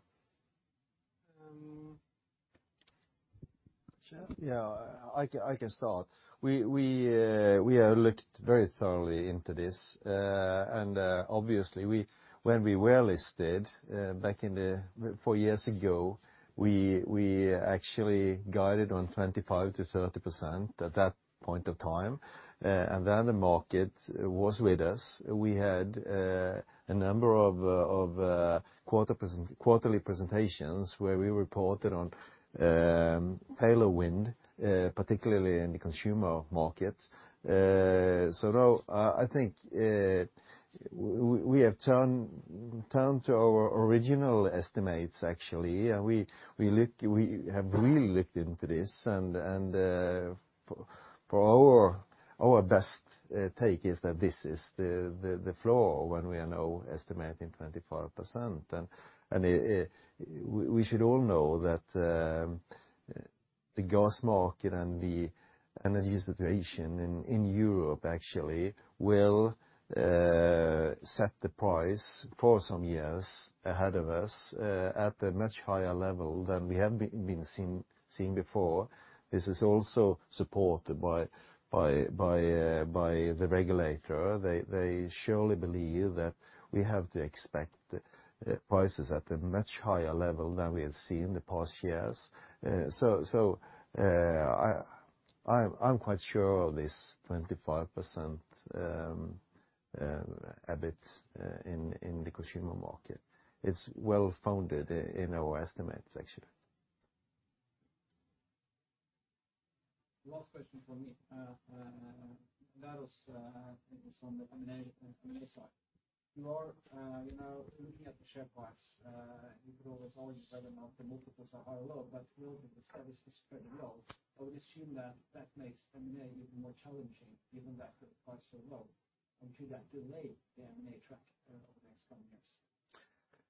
Sure. Yeah. I can start. We have looked very thoroughly into this. Obviously when we were listed back in four years ago, we actually guided on 25%-30% at that point of time. Then the market was with us. We had a number of quarterly presentations where we reported on tailwind, particularly in the consumer market. I think we have turned to our original estimates actually. We have really looked into this and for our best take is that this is the floor when we are now estimating 25%. We should all know that the gas market and the energy situation in Europe actually will set the price for some years ahead of us at a much higher level than we have seen before. This is also supported by the regulator. They surely believe that we have to expect prices at a much higher level than we have seen in the past years. I'm quite sure of this 25% EBIT in the consumer market. It's well-founded in our estimates, actually. Last question from me. I think it's on the M&A side. You are looking at the share price, it's all volume development, the multiples are high or low, but really the services multiple is pretty low. I would assume that makes M&A even more challenging given that the price is so low. Could that delay the M&A track over the next couple years?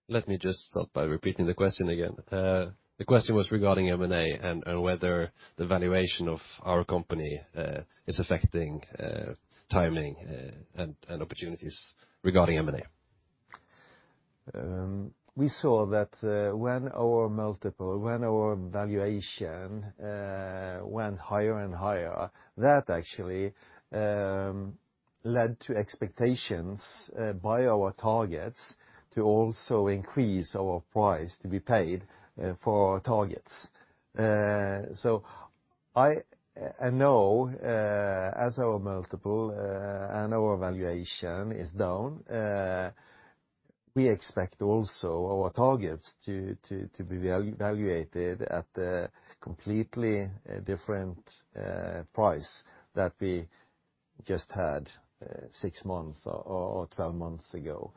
Let me just start by repeating the question again. The question was regarding M&A and whether the valuation of our company is affecting timing and opportunities regarding M&A. We saw that when our multiple, when our valuation went higher and higher, that actually led to expectations by our targets to also increase our price to be paid for our targets. I know as our multiple and our valuation is down, we expect also our targets to be valued at a completely different price that we just had six months or 12 months ago.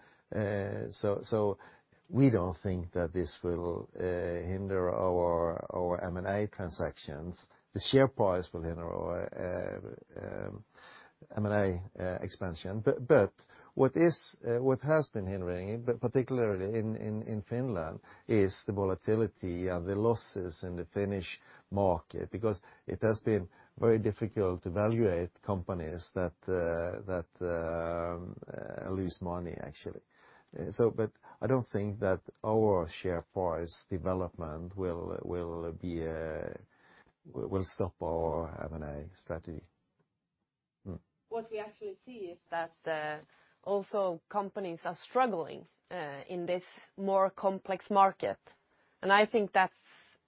We don't think that this will hinder our M&A transactions. The share price will hinder our M&A expansion. What has been hindering, but particularly in Finland, is the volatility and the losses in the Finnish market, because it has been very difficult to valuate companies that lose money, actually. I don't think that our share price development will stop our M&A strategy. What we actually see is that also companies are struggling in this more complex market. I think that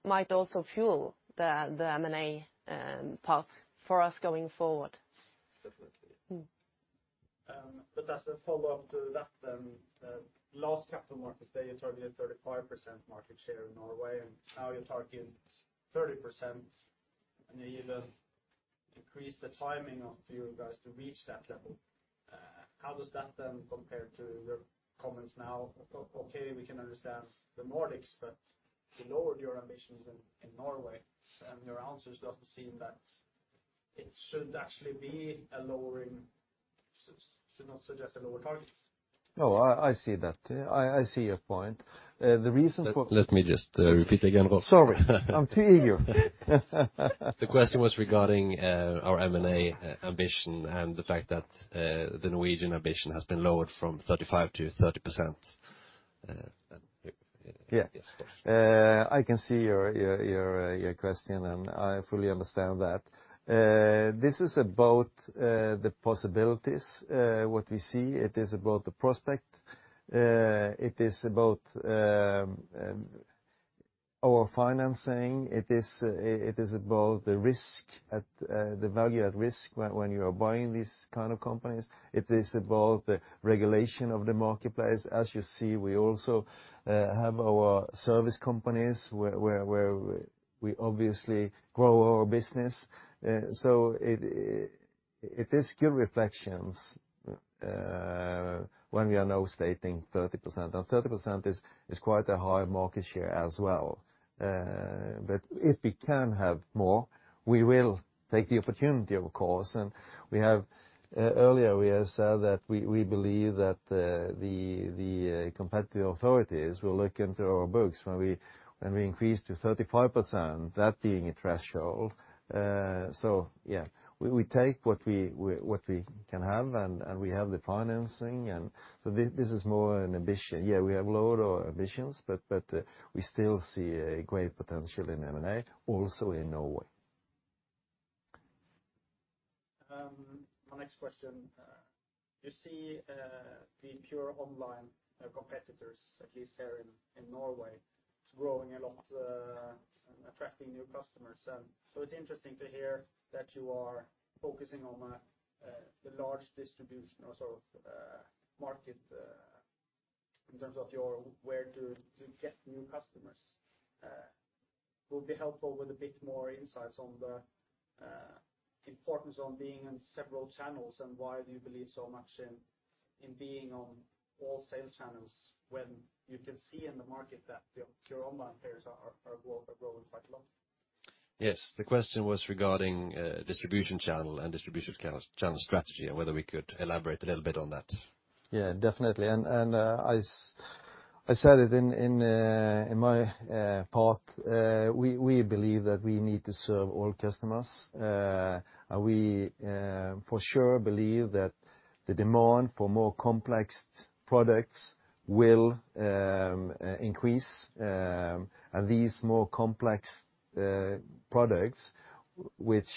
might also fuel the M&A path for us going forward. Definitely. Mm. As a follow-up to that, last capital markets day, you targeted 35% market share in Norway, and now you're targeting 30%, and you even decreased the timing of you guys to reach that level. How does that then compare to your comments now? We can understand the Nordics, but you lowered your ambitions in Norway, and your answers doesn't seem that it should actually be a lowering. Should not suggest a lower target. No, I see that. I see your point. The reason for. Let me just repeat again, Rolf. Sorry. I'm too eager. The question was regarding our M&A ambition and the fact that the Norwegian ambition has been lowered from 35-30%. Yeah. Yes, Rolf. I can see your question, and I fully understand that. This is about the possibilities, what we see. It is about the prospect. It is about our financing. It is about the risk at the value at risk when you are buying these kind of companies. It is about the regulation of the marketplace. As you see, we also have our service companies where we obviously grow our business. It is good reflections when we are now stating 30%. Now 30% is quite a high market share as well. If we can have more, we will take the opportunity, of course. We have earlier said that we believe that the competitive authorities will look into our books when we increase to 35%, that being a threshold. We take what we can have, and we have the financing. This is more an ambition. Yeah, we have lowered our ambitions, but we still see a great potential in M&A, also in Norway. My next question. You see, the pure online competitors, at least here in Norway, it's growing a lot and attracting new customers. It's interesting to hear that you are focusing on the large distribution or sort of market in terms of your strategy to get new customers. It would be helpful with a bit more insights on the importance of being on several channels and why do you believe so much in being on all sales channels when you can see in the market that your online peers are growing quite a lot. Yes. The question was regarding distribution channel and channel strategy and whether we could elaborate a little bit on that. Yeah, definitely. I said it in my part. We believe that we need to serve all customers. We for sure believe that the demand for more complex products will increase. These more complex products which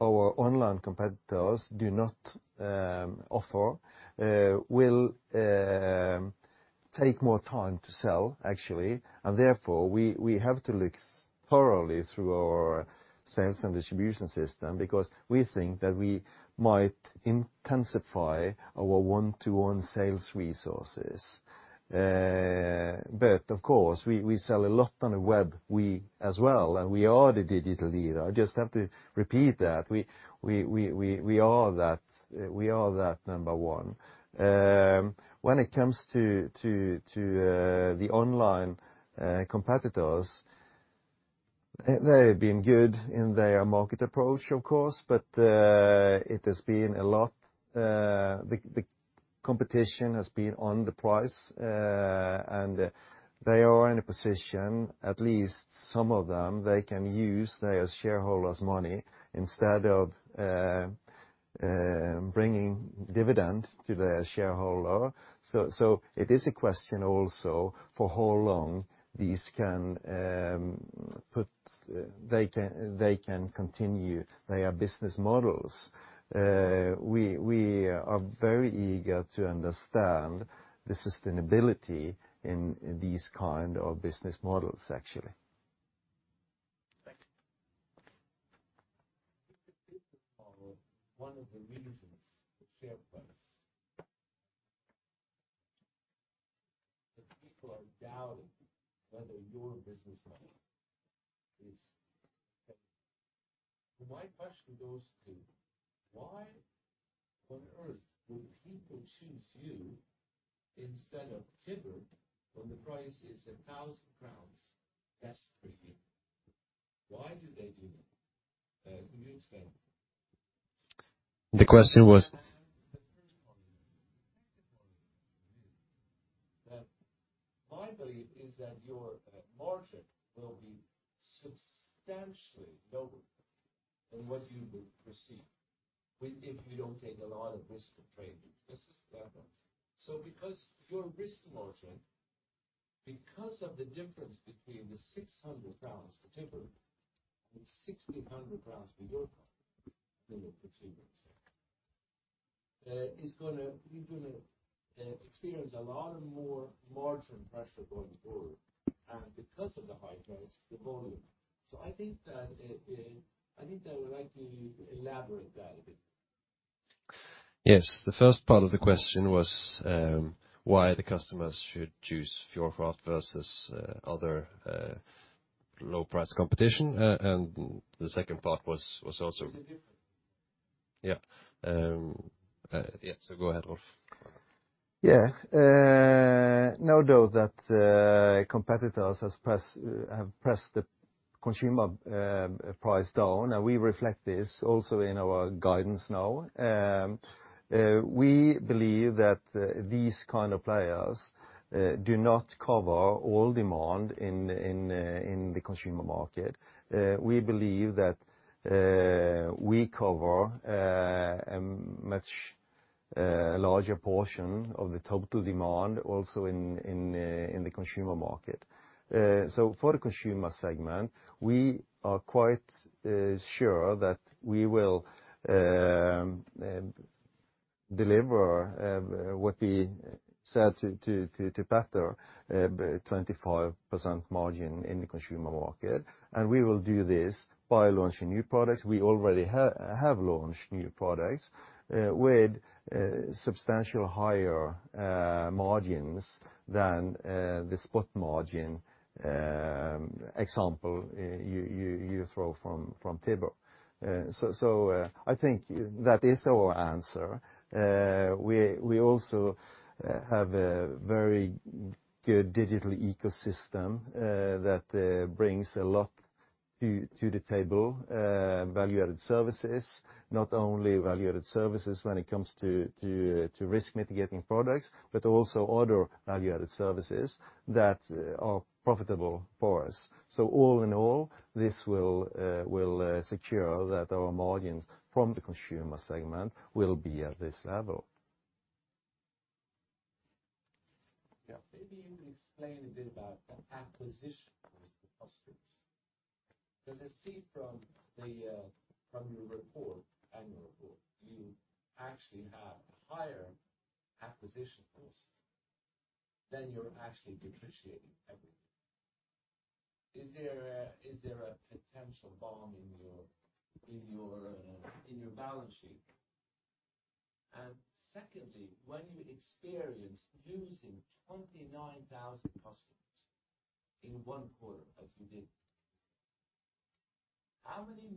our online competitors do not offer will take more time to sell actually, and therefore we have to look thoroughly through our sales and distribution system because we think that we might intensify our one-to-one sales resources. But of course we sell a lot on the web, we as well, and we are the digital leader. I just have to repeat that. We are that number one. When it comes to the online competitors, they have been good in their market approach, of course, but the competition has been on the price, and they are in a position, at least some of them, they can use their shareholders' money instead of bringing dividends to their shareholder. It is a question also for how long these can continue their business models. We are very eager to understand the sustainability in these kind of business models, actually. Thank you. Is it possible one of the reasons the share price that people are doubting whether your business model is okay. My question goes to why on earth would people choose you instead of Tibber when the price is NOK 1,000 less for him? Why do they do that? Can you explain? The question was. The first one. The second one is that my belief is that your margin will be substantially lower than what you will receive if you don't take a lot of risk to trade. This is that one. Because your risk margin, because of the difference between the 600 pounds for Tibber and 1,600 pounds for your product that you're perceiving, you're gonna experience a lot more margin pressure going forward and because of the high price, the volume. I think I would like you to elaborate that a bit. Yes. The first part of the question was why the customers should choose Fjordkraft versus other low price competition. Go ahead, Rolf. Now, though, that competitors have pressed the consumer price down, and we reflect this also in our guidance now. We believe that these kind of players do not cover all demand in the consumer market. We believe that we cover a much larger portion of the total demand also in the consumer market. For the consumer segment, we are quite sure that we will deliver what we said to Petter, 25% margin in the consumer market. We will do this by launching new products. We already have launched new products with substantially higher margins than the spot margin, example you throw from Tibber. I think that is our answer. We also have a very good digital ecosystem that brings a lot to the table, value-added services. Not only value-added services when it comes to risk mitigating products, but also other value-added services that are profitable for us. All in all, this will secure that our margins from the consumer segment will be at this level. Yeah. Maybe you can explain a bit about the acquisition cost of customers. 'Cause I see from your annual report, you actually have a higher acquisition cost than you're actually depreciating every year. Is there a potential bomb in your balance sheet? Secondly, when you experience losing 29,000 customers in one quarter as you did, how many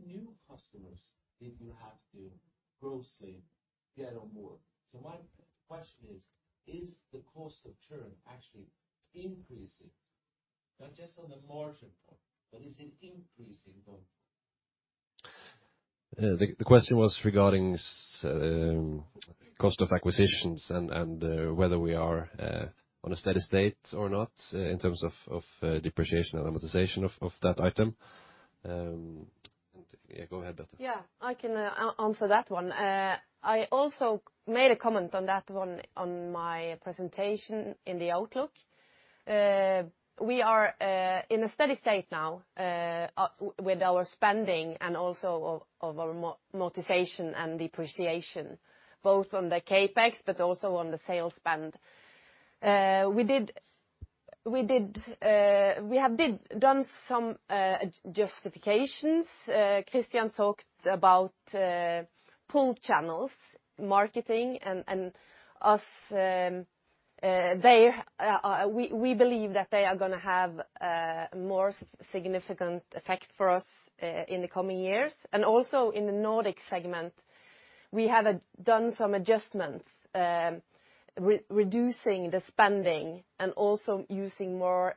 new customers did you have to grossly get on board? My question is the cost of churn actually increasing? Not just on the margin part, but is it increasing though? The question was regarding cost of acquisitions and whether we are on a steady state or not in terms of depreciation and amortization of that item. Yeah, go ahead, Rolf. Yeah. I can answer that one. I also made a comment on that one on my presentation in the outlook. We are in a steady state now with our spending and also of our amortization and depreciation, both on the CapEx but also on the sales spend. We have done some adjustments. Christian talked about pull channels, marketing and use there. We believe that they are gonna have a more significant effect for us in the coming years. Also in the Nordic segment, we have done some adjustments, reducing the spending and also using more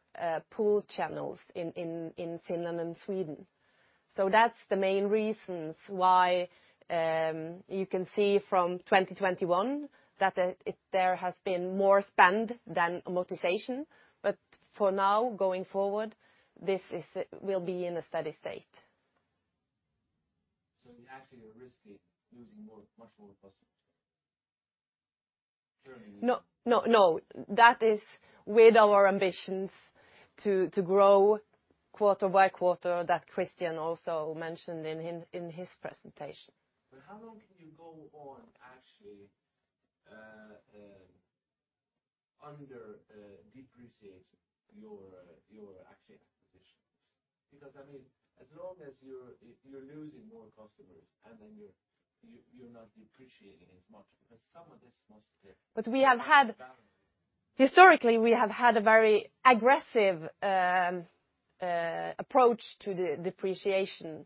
pull channels in Finland and Sweden. That's the main reasons why you can see from 2021 that there has been more spend than amortization. For now going forward, this will be in a steady state. You actually are risking losing more, much more customers? No, no. That is with our ambitions to grow quarter by quarter that Christian also mentioned in his presentation. How long can you go on actually under-depreciating your actual acquisitions? Because, I mean, as long as you're losing more customers, and then you're not depreciating as much, because some of this must We have had. Historically, we have had a very aggressive approach to the depreciation.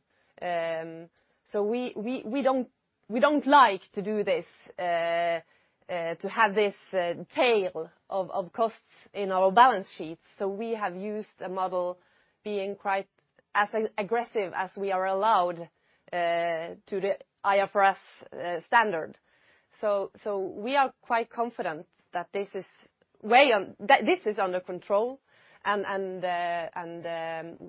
We don't like to do this to have this tail of costs in our balance sheets. We have used a model being quite as aggressive as we are allowed to the IFRS standard. We are quite confident that this is under control, and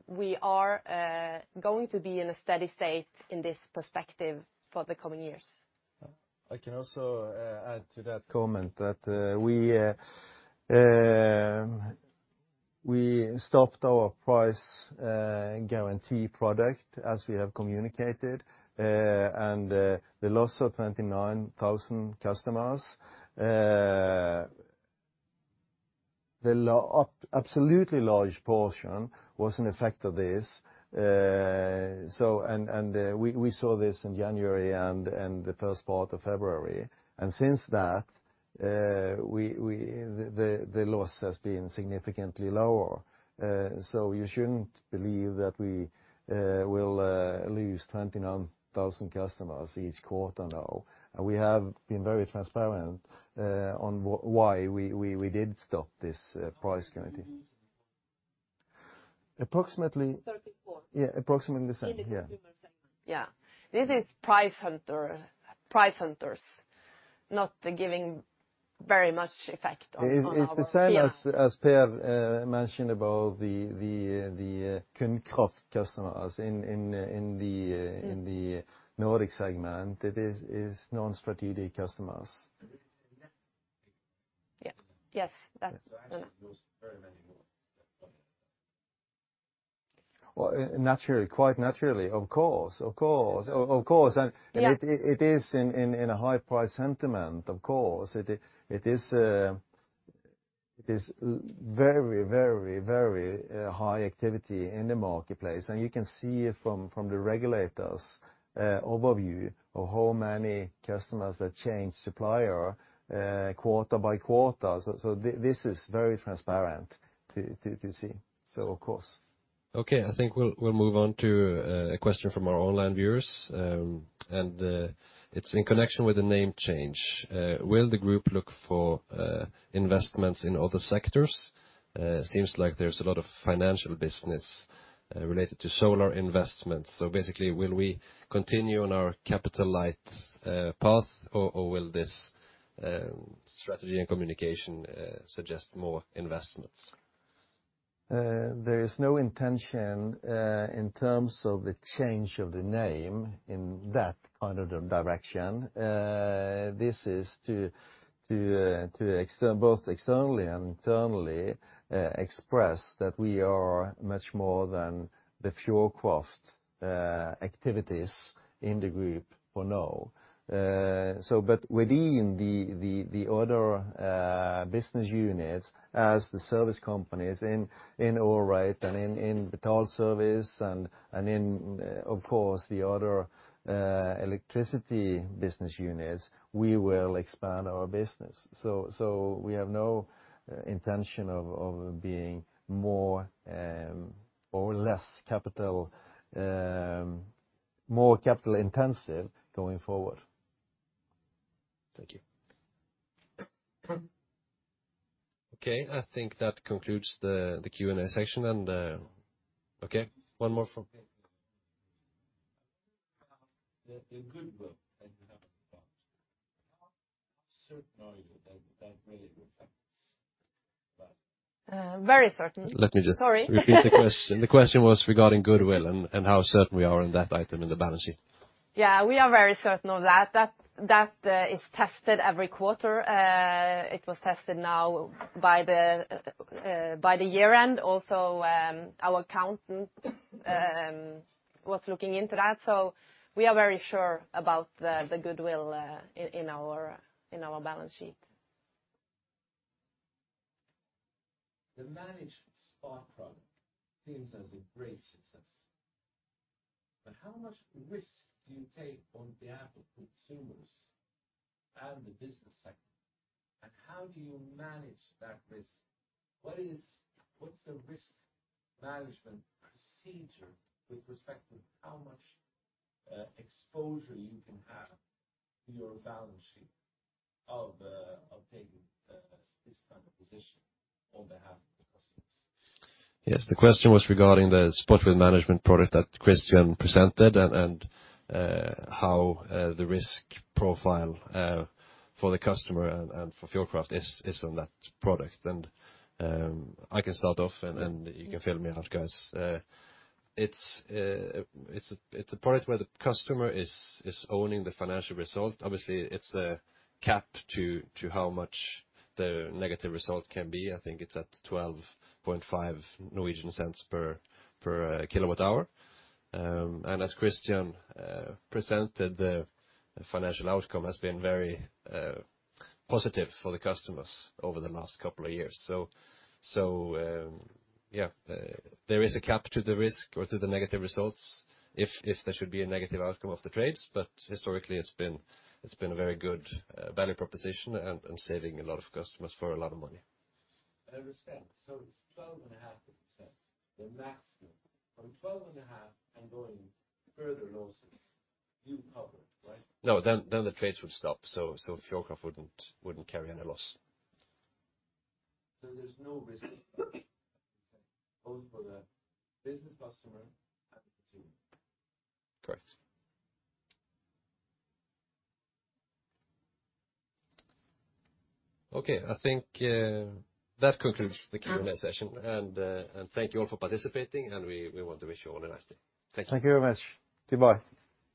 we are going to be in a steady state in this perspective for the coming years. I can also add to that comment that we stopped our price guarantee product as we have communicated, and the loss of 29,000 customers, absolutely large portion was an effect of this. We saw this in January and the first part of February. Since that, the loss has been significantly lower. You shouldn't believe that we will lose 29,000 customers each quarter now. We have been very transparent on why we did stop this price guarantee. How many customers did you lose in the quarter? Approximately- 34. Yeah, approximately the same. Yeah. In the consumer segment. Yeah. This is price hunters not giving very much effect on our peer. It's the same as Per mentioned about the Kundkraft customers in the Nordic segment. It is non-strategic customers. It's a net figure. Yeah. Yes. Actually you lose very many more customers. Well, naturally, quite naturally, of course. Yeah. It is in a high-price sentiment, of course. It is very high activity in the marketplace. You can see from the regulator's overview of how many customers that change supplier quarter by quarter. This is very transparent to see. Of course. Okay. I think we'll move on to a question from our online viewers. It's in connection with the name change. Will the group look for investments in other sectors? Seems like there's a lot of financial business related to solar investments. So basically, will we continue on our capital light path, or will this strategy and communication suggest more investments? There is no intention in terms of the change of the name in that other direction. This is to both externally and internally express that we are much more than the fuel cost activities in the group for now. Within the other business units as the service companies in Allrate and in Betalservice and, of course, the other electricity business units, we will expand our business. We have no intention of being more or less capital-intensive going forward. Thank you. Okay, I think that concludes the Q&A session. Okay, one more from. The goodwill that you have. Very certain. Sorry. Let me just repeat the question. The question was regarding goodwill and how certain we are on that item in the balance sheet. Yeah, we are very certain of that. That is tested every quarter. It was tested now by the year-end also, our accountant was looking into that. We are very sure about the goodwill in our balance sheet. The managed spot product seems as a great success. How much risk do you take on behalf of consumers and the business sector, and how do you manage that risk? What's the risk management procedure with respect to how much exposure you can have to your balance sheet of taking this kind of position on behalf of the customers? Yes. The question was regarding the spot with risk management product that Christian presented and how the risk profile for the customer and for Fjordkraft is on that product. I can start off and you can fill me in, guys. It's a product where the customer is owning the financial result. Obviously, it's a cap to how much the negative result can be. I think it's at 12.5 Norwegian øre per kWh. And as Christian presented, the financial outcome has been very positive for the customers over the last couple of years. There is a cap to the risk or to the negative results if there should be a negative outcome of the trades. Historically, it's been a very good value proposition and saving a lot of customers a lot of money. I understand. It's 0.125, the maximum. From 0.125 and going further losses, you cover it, right? No, the trades would stop. Fjordkraft wouldn't carry any loss. There's no risk both for the business customer and the consumer? Correct. Okay. I think that concludes the Q&A session. Thank you all for participating, and we want to wish you all a nice day. Thank you. Thank you very much. Goodbye.